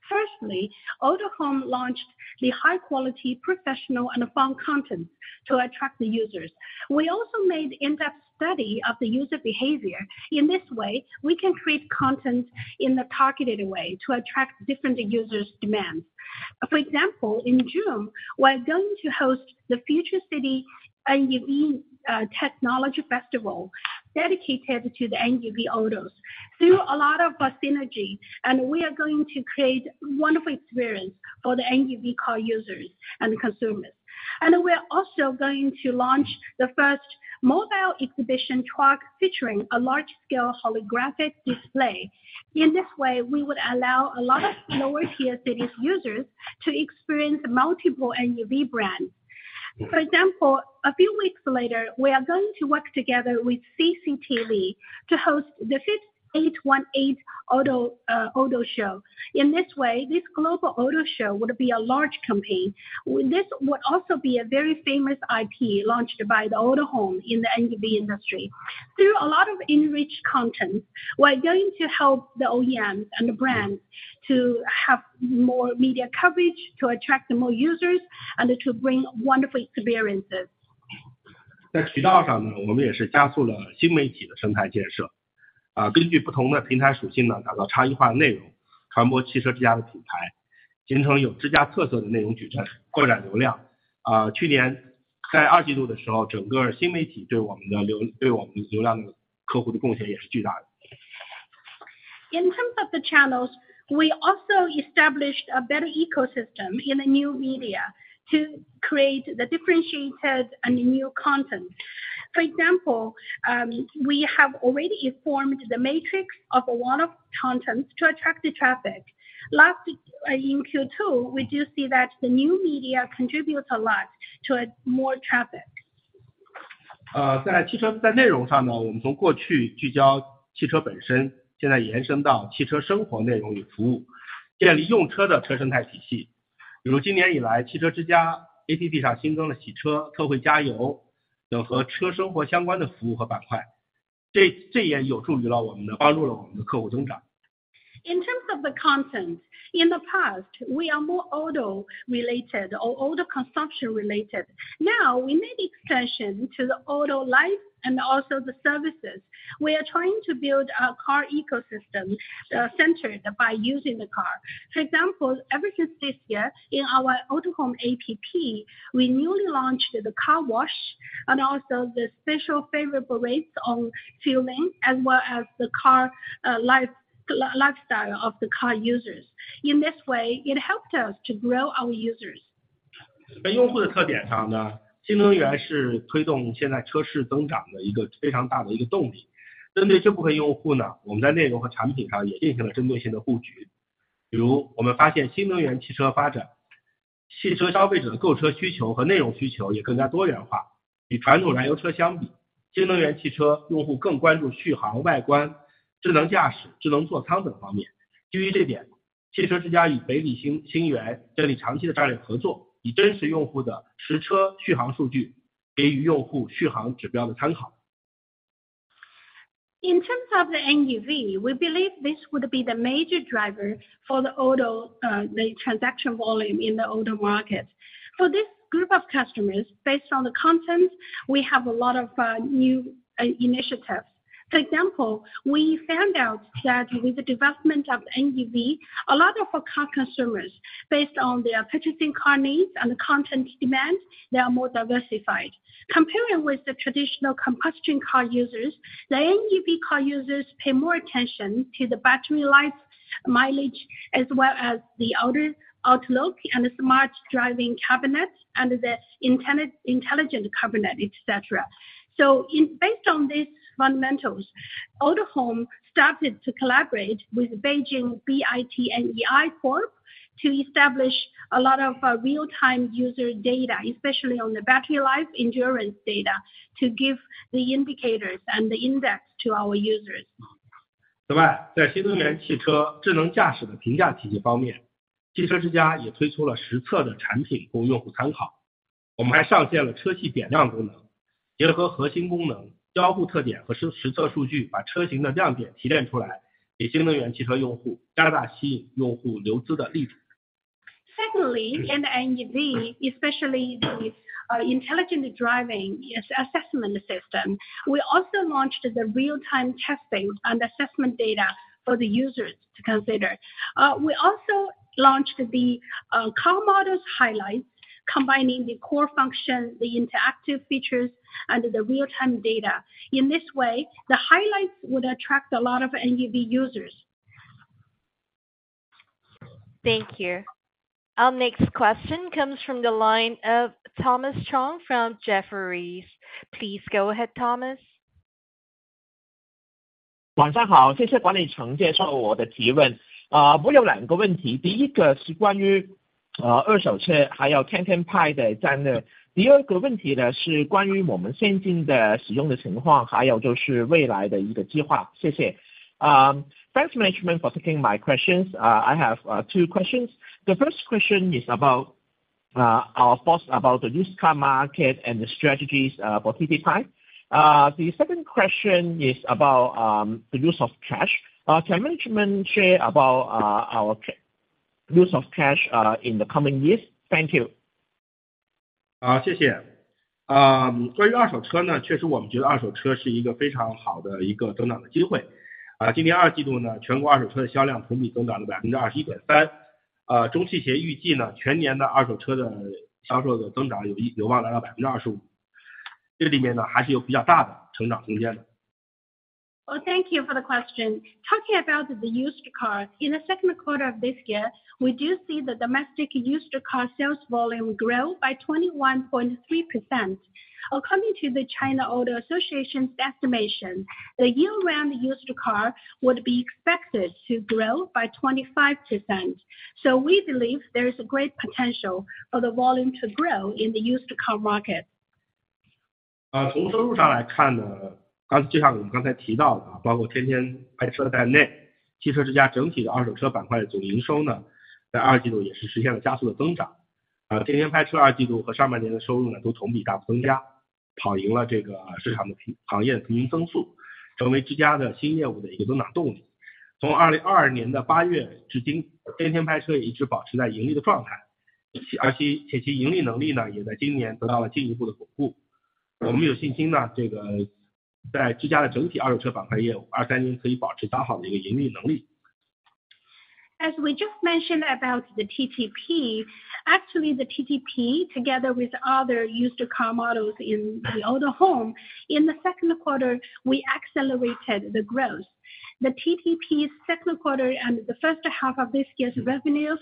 Firstly, Autohome launched the high quality professional and fun content to attract the users. We also made in-depth study of the user behavior. In this way, we can create content in a targeted way to attract different users' demands. For example, in June, we are going to host the Future City NEV Technology Festival, dedicated to the NEV autos. Through a lot of our synergy, and we are going to create wonderful experience for the NEV car users and consumers. We are also going to launch the first mobile exhibition truck, featuring a large-scale holographic display. In this way, we would allow a lot of lower tier cities users to experience multiple NEV brands. For example, a few weeks later, we are going to work together with CCTV to host the 5th 818 Auto Show. In this way, this global auto show would be a large campaign. This would also be a very famous IP launched by Autohome in the NEV industry. Through a lot of enriched content, we are going to help the OEMs and the brands to have more media coverage, to attract more users, and to bring wonderful experiences. 在渠道上 呢， 我们也是加速了新媒体的生态建 设， 根据不同的平台属性 呢， 打造差异化的内 容， 传播汽车之家的品 牌， 形成有自家特色的内容矩 阵， 扩展流量。去年在二季度的时 候， 整个新媒体对我们流量的客户的贡献也是巨大的。In terms of the channels, we also established a better ecosystem in the new media to create the differentiated and new content. For example, we have already formed the matrix of a lot of contents to attract the traffic. In Q2, we do see that the new media contributes a lot to a more traffic. 呃， 在汽 车， 在内容上 呢， 我们从过去聚焦汽车本 身， 现在延伸到汽车生活内容与服 务， 建立用车的车生态体系。比如今年以 来， 汽车之家 APP 上新增了洗车、特惠加油等和车生活相关的服务和板 块， 这， 这也有助于了我们 的， 帮助了我们的客户增长。In terms of the content, in the past, we are more auto-related or auto consumption-related. Now, we made expansion to the auto life and also the services. We are trying to build a car ecosystem, centered by using the car. For example, ever since this year, in our Autohome APP, we newly launched the car wash and also the special favorable rates on fueling, as well as the car lifestyle of the car users. In this way, it helped us to grow our users. 在用户的特点上 呢, NEV 是推动现在车市增长的一个非常大的一个动 力. 针对这部分用户 呢, 我们在内容和产品上也进行了针对性的布 局. 比如我们发现 NEV 汽车发 展, 汽车消费者的购车需求和内容需求也更加多元 化. 与传统燃油车相 比, NEV 汽车用户更关注续 航, 外 观, 智能驾 驶, 智能座舱等方 面. 基于这 点, Autohome 与 BAIC BluePark New Energy Technology 建立长期的战略合 作, 以真实用户的实车续航数 据, 给予用户续航指标的参 考. In terms of the NEV, we believe this would be the major driver for the auto, the transaction volume in the auto market. For this group of customers, based on the content, we have a lot of new initiatives. For example, we found out that with the development of NEV, a lot of our car consumers, based on their purchasing car needs and content demand, they are more diversified. Compared with the traditional combustion car users, the NEV car users pay more attention to the battery life, mileage as well as the outer outlook and smart driving cabinets and the intelligent cabinet, etc. Based on this fundamentals, Autohome started to collaborate with Beijing BITNEI Corp to establish a lot of real time user data, especially on the battery life endurance data, to give the indicators and the index to our users. 此 外, 在新能源汽车智能驾驶的评价体系方 面, Autohome Inc. 也推出了实测的产品供用户参 考. 我们还上线了车系点亮功 能, 结合核心功 能, 标布特点和实测数 据, 把车型的亮点提炼出 来, 给新能源汽车用 户, 加大吸引用户留资的例 子. Secondly, in the NEV, especially the intelligent driving as assessment system, we also launched the real-time testing and assessment data for the users to consider. We also launched the car models highlights combining the core function, the interactive features and the real-time data. In this way, the highlights would attract a lot of NEV users. Thank you. Our next question comes from the line of Thomas Chong from Jefferies. Please go ahead, Thomas. 晚上 好， 谢谢管理层接受我的提问。我有2个问 题， 第一个是关于二手 车， 还有 Tiantian Paiche 的战略。第二个问题 呢， 是关于我们现金的使用的情 况， 还有就是未来的一个计划。谢谢。Thanks management for taking my questions. I have two questions. The first question is about our thoughts about the used car market and the strategies for TTP. The second question is about the use of cash. Can management share about our use of cash in the coming years? Thank you. 好， 谢谢。啊， 关于二手车 呢， 确实我们觉得二手车是一个非常好的一个增长的机会。啊， 今年二季度 呢， 全国二手车的销量同比增长了百分之二十一点 三， 啊， 中汽协预计 呢， 全年的二手车的销售的增长 有， 有望来到百分之二十 五， 这里面 呢， 还是有比较大的成长空间的。Well, thank you for the question. Talking about the used cars, in the second quarter of this year, we do see the domestic used car sales volume grow by 21.3%. According to the China Auto Associations estimation, the year round used car would be expected to grow by 25%. We believe there is a great potential for the volume to grow in the used car market. 从收入上来看 呢, 刚才就像我们刚才提到 的, 包括 Tiantian Paiche 在 内, Autohome 整体的二手车板块的总营收 呢, 在 Q2 也是实现了加速的增 长. Tiantian Paiche Q2 和 first half 的收入 呢, 都 year-over-year 大幅增 加, 跑赢了这个市场的行业平均增 速, 成为 Autohome 的新业务的一个增长动 力. 从 August 2022至 今, Tiantian Paiche 一直保持在盈利的状 态, 而且其盈利能力 呢, 也在今年得到了进一步的巩 固. 我们有信心 呢, 这个在 Autohome 的整体二手车板块业 务, 2023可以保持较好的一个盈利能 力. As we just mentioned about the TTP, actually the TTP, together with other used car models in Autohome, in the second quarter, we accelerated the growth. The TTP's second quarter and the first half of this year's revenues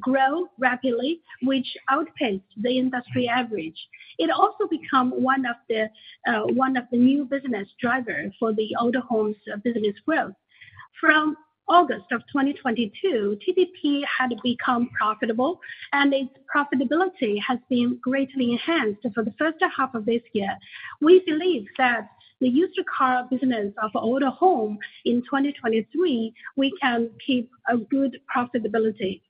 grow rapidly, which outpaced the industry average. It also become one of the new business drivers for Autohome's business growth. From August of 2022, TTP had become profitable, and its profitability has been greatly enhanced for the first half of this year. We believe that the used car business of Autohome in 2023, we can keep a good profitability.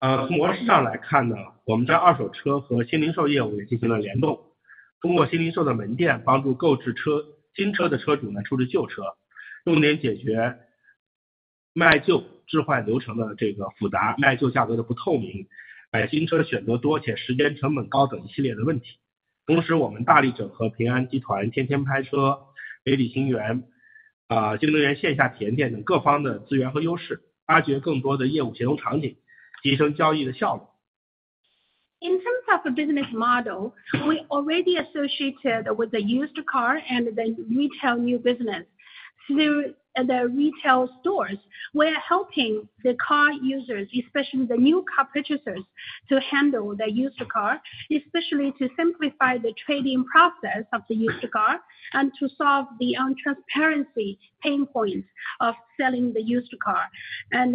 呃， 从模式上来看 呢， 我们在二手车和新零售业务也进行了联 动， 通过新零售的门店帮助购置 车， 新车的车主来处置旧 车， 重点解决卖旧置换流程的这个复 杂， 卖旧价格的不透 明， 买新车选择多且时间成本高等一系列的问题。同 时， 我们大力整合平安集团天天拍车、北汽新能 源， 啊， 新能源线下体验店等各方的资源和优 势， 挖掘更多的业务协同场 景， 提升交易的效率。In terms of a business model, we already associated with the used car and the retail new business. Through the retail stores, we are helping the car users, especially the new car purchasers, to handle the used car, especially to simplify the trading process of the used car and to solve the untransparency pain points of selling the used car.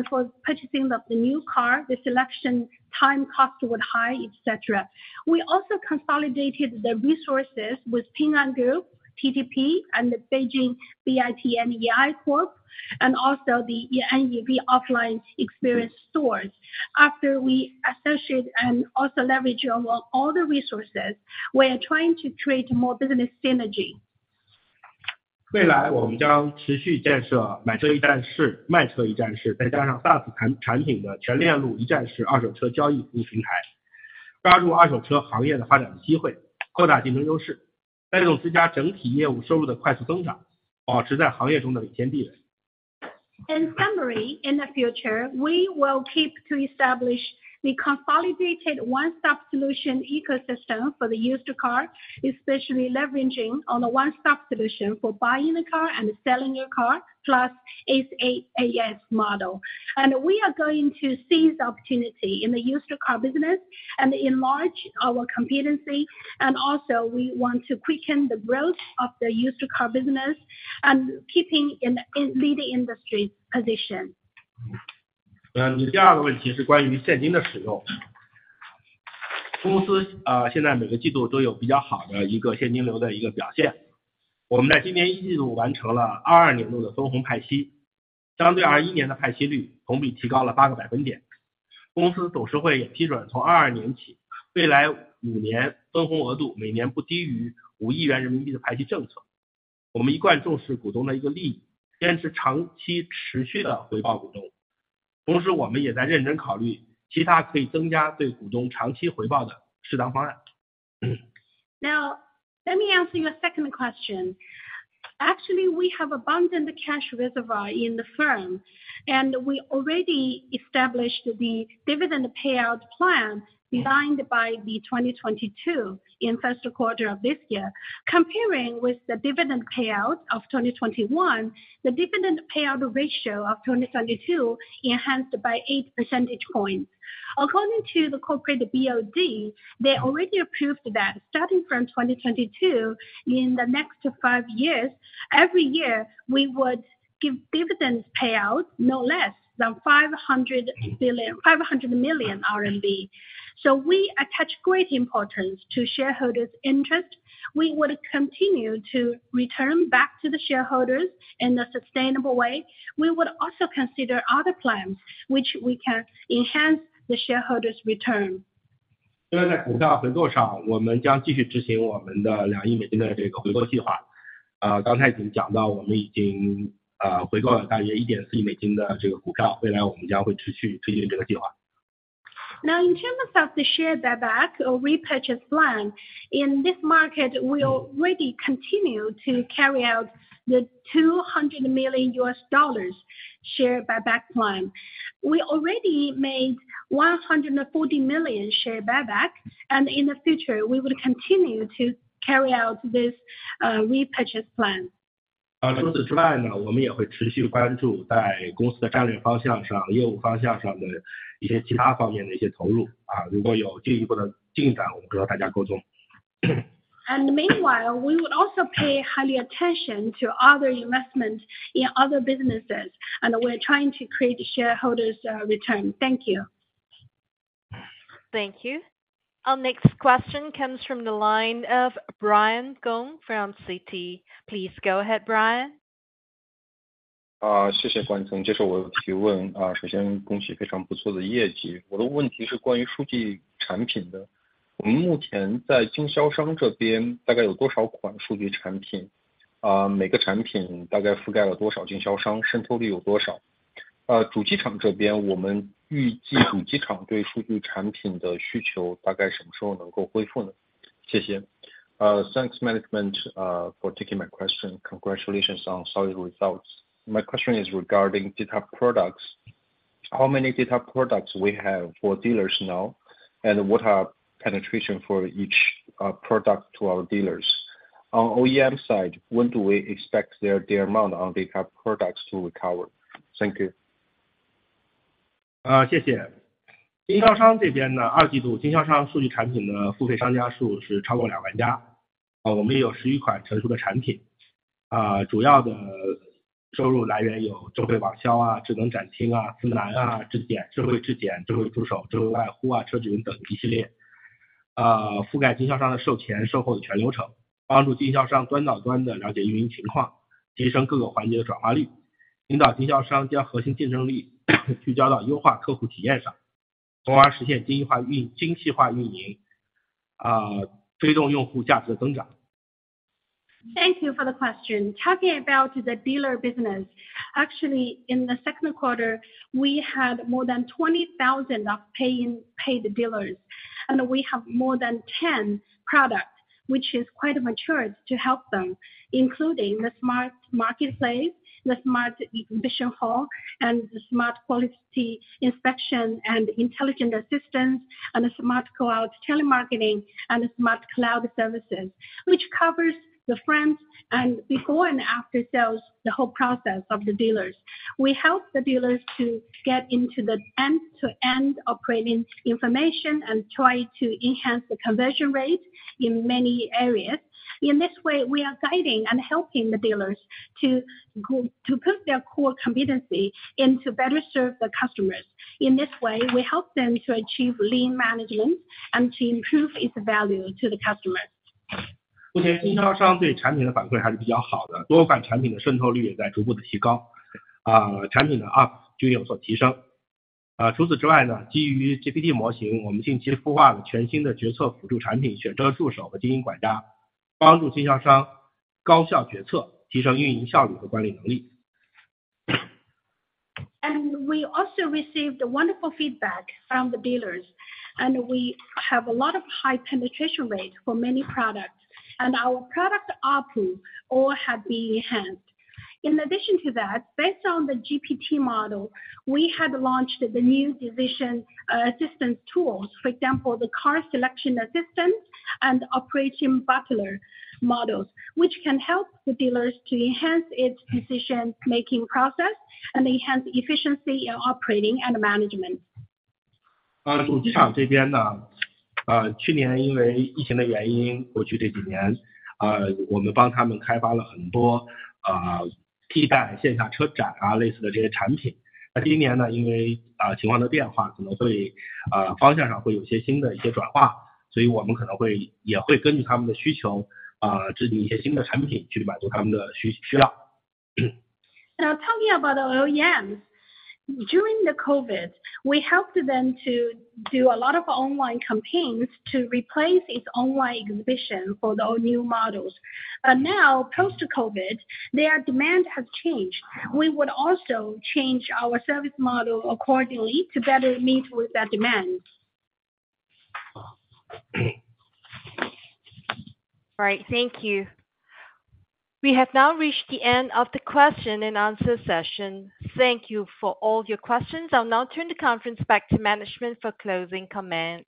For purchasing of the new car, the selection, time, cost was high, et cetera. We also consolidated the resources with Ping An Group, TTP, and the Beijing BITNEI Corp, and also the NEV offline experience stores. After we associate and also leverage on all the resources, we are trying to create more business synergy. In summary, in the future, we will keep to establish the consolidated one-stop solution ecosystem for the used car, especially leveraging on a one-stop solution for buying a car and selling your car, plus a SaaS model. We are going to seize the opportunity in the used car business and enlarge our competency. Also we want to quicken the growth of the used car business and keeping in leading industry position. Now, let me answer your second question. Actually, we have abundant cash reservoir in the firm, and we already established the dividend payout plan designed by the 2022 in first quarter of this year. Comparing with the dividend payout of 2021, the dividend payout ratio of 2022 enhanced by eight percentage points. According to the corporate BOD, they already approved that starting from 2022, in the next five years, every year, we would give dividends payout no less than 500 million RMB. We attach great importance to shareholders' interest. We would continue to return back to the shareholders in a sustainable way. We would also consider other plans which we can enhance the shareholders' return. In terms of the share buyback or repurchase plan, in this market, we already continue to carry out the $200 million share buyback plan. We already made $140 million share buyback, and in the future, we will continue to carry out this repurchase plan. Meanwhile, we would also pay highly attention to other investments in other businesses, and we're trying to create shareholders' return. Thank you. Thank you. Our next question comes from the line of Brian Gong from Citi. Please go ahead, Brian. 谢谢您接受我的提问。首先恭喜非常不错的业绩。我的问题是关于数据产品 的， 我们目前在经销商这边大概有多少款数据产 品？ 每个产品大概覆盖了多少经销 商， 渗透率有多 少？ 主机厂这 边， 我们预计主机厂对数据产品的需求大概什么时候能够恢复 呢？ 谢谢。Thanks management for taking my question. Congratulations on solid results. My question is regarding data products. How many data products we have for dealers now, and what are penetration for each product to our dealers? On OEM side, when do we expect their amount on data products to recover? Thank you. 啊， 谢谢。经销商这边 呢， 二季度经销商数据产品的付费商家数是超过两万 家， 啊我们有十一款成熟的产 品， 啊， 主要的收入来源有智慧网销啊、智能展厅啊、智能啊、智检、智慧智检、智慧助手、智慧爱呼 啊， 车主云等一系 列， 啊， 覆盖经销商的售前、售后的全流 程， 帮助经销商端到端地了解运营情 况， 提升各个环节的转化 率， 引导经销商将核心竞争力聚焦到优化客户体验 上， 从而实现精细化运--精细化运 营， 啊， 推动用户价值的增长。Thank you for the question. Talking about the dealer business, actually, in the second quarter, we had more than 20,000 of paid dealers, and we have more than 10 products, which is quite matured to help them, including the Smart Marketplace, the Smart Exhibition Hall, and the Smart Quality Inspection, and Intelligent Assistance, and the Smart Cloud telemarketing, and the Smart Cloud services, which covers the front and before and after sales, the whole process of the dealers. We help the dealers to get into the end-to-end operating information and try to enhance the conversion rate in many areas. In this way, we are guiding and helping the dealers to put their core competency in to better serve the customers. In this way, we help them to achieve lean management and to improve its value to the customer. We also received wonderful feedback from the dealers, and we have a lot of high penetration rate for many products, and our product ARPU all have been enhanced. In addition to that, based on the GPT model, we have launched the new decision assistance tools. For example, the Car Selection Assistant and Operation Butler models, which can help the dealers to enhance its decision-making process and enhance efficiency in operating and management. Tell me about the OEMs. During the COVID, we helped them to do a lot of online campaigns to replace its online exhibition for the all new models. Now, post-COVID, their demand has changed. We would also change our service model accordingly to better meet with that demand. Right. Thank you. We have now reached the end of the question and answer session. Thank you for all your questions. I'll now turn the conference back to management for closing comments.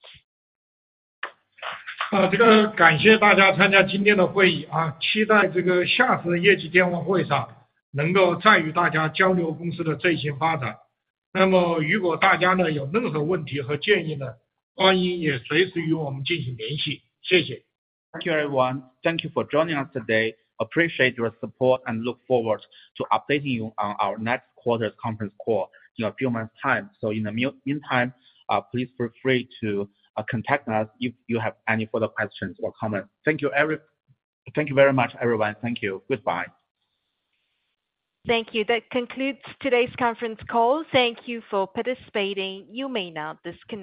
Thank you everyone. Thank you for joining us today. Appreciate your support and look forward to updating you on our next quarter's conference call in a few months time. In the meantime, please feel free to contact us if you have any further questions or comments. Thank you very much, everyone. Thank you. Goodbye. Thank you. That concludes today's conference call. Thank you for participating. You may now disconnect.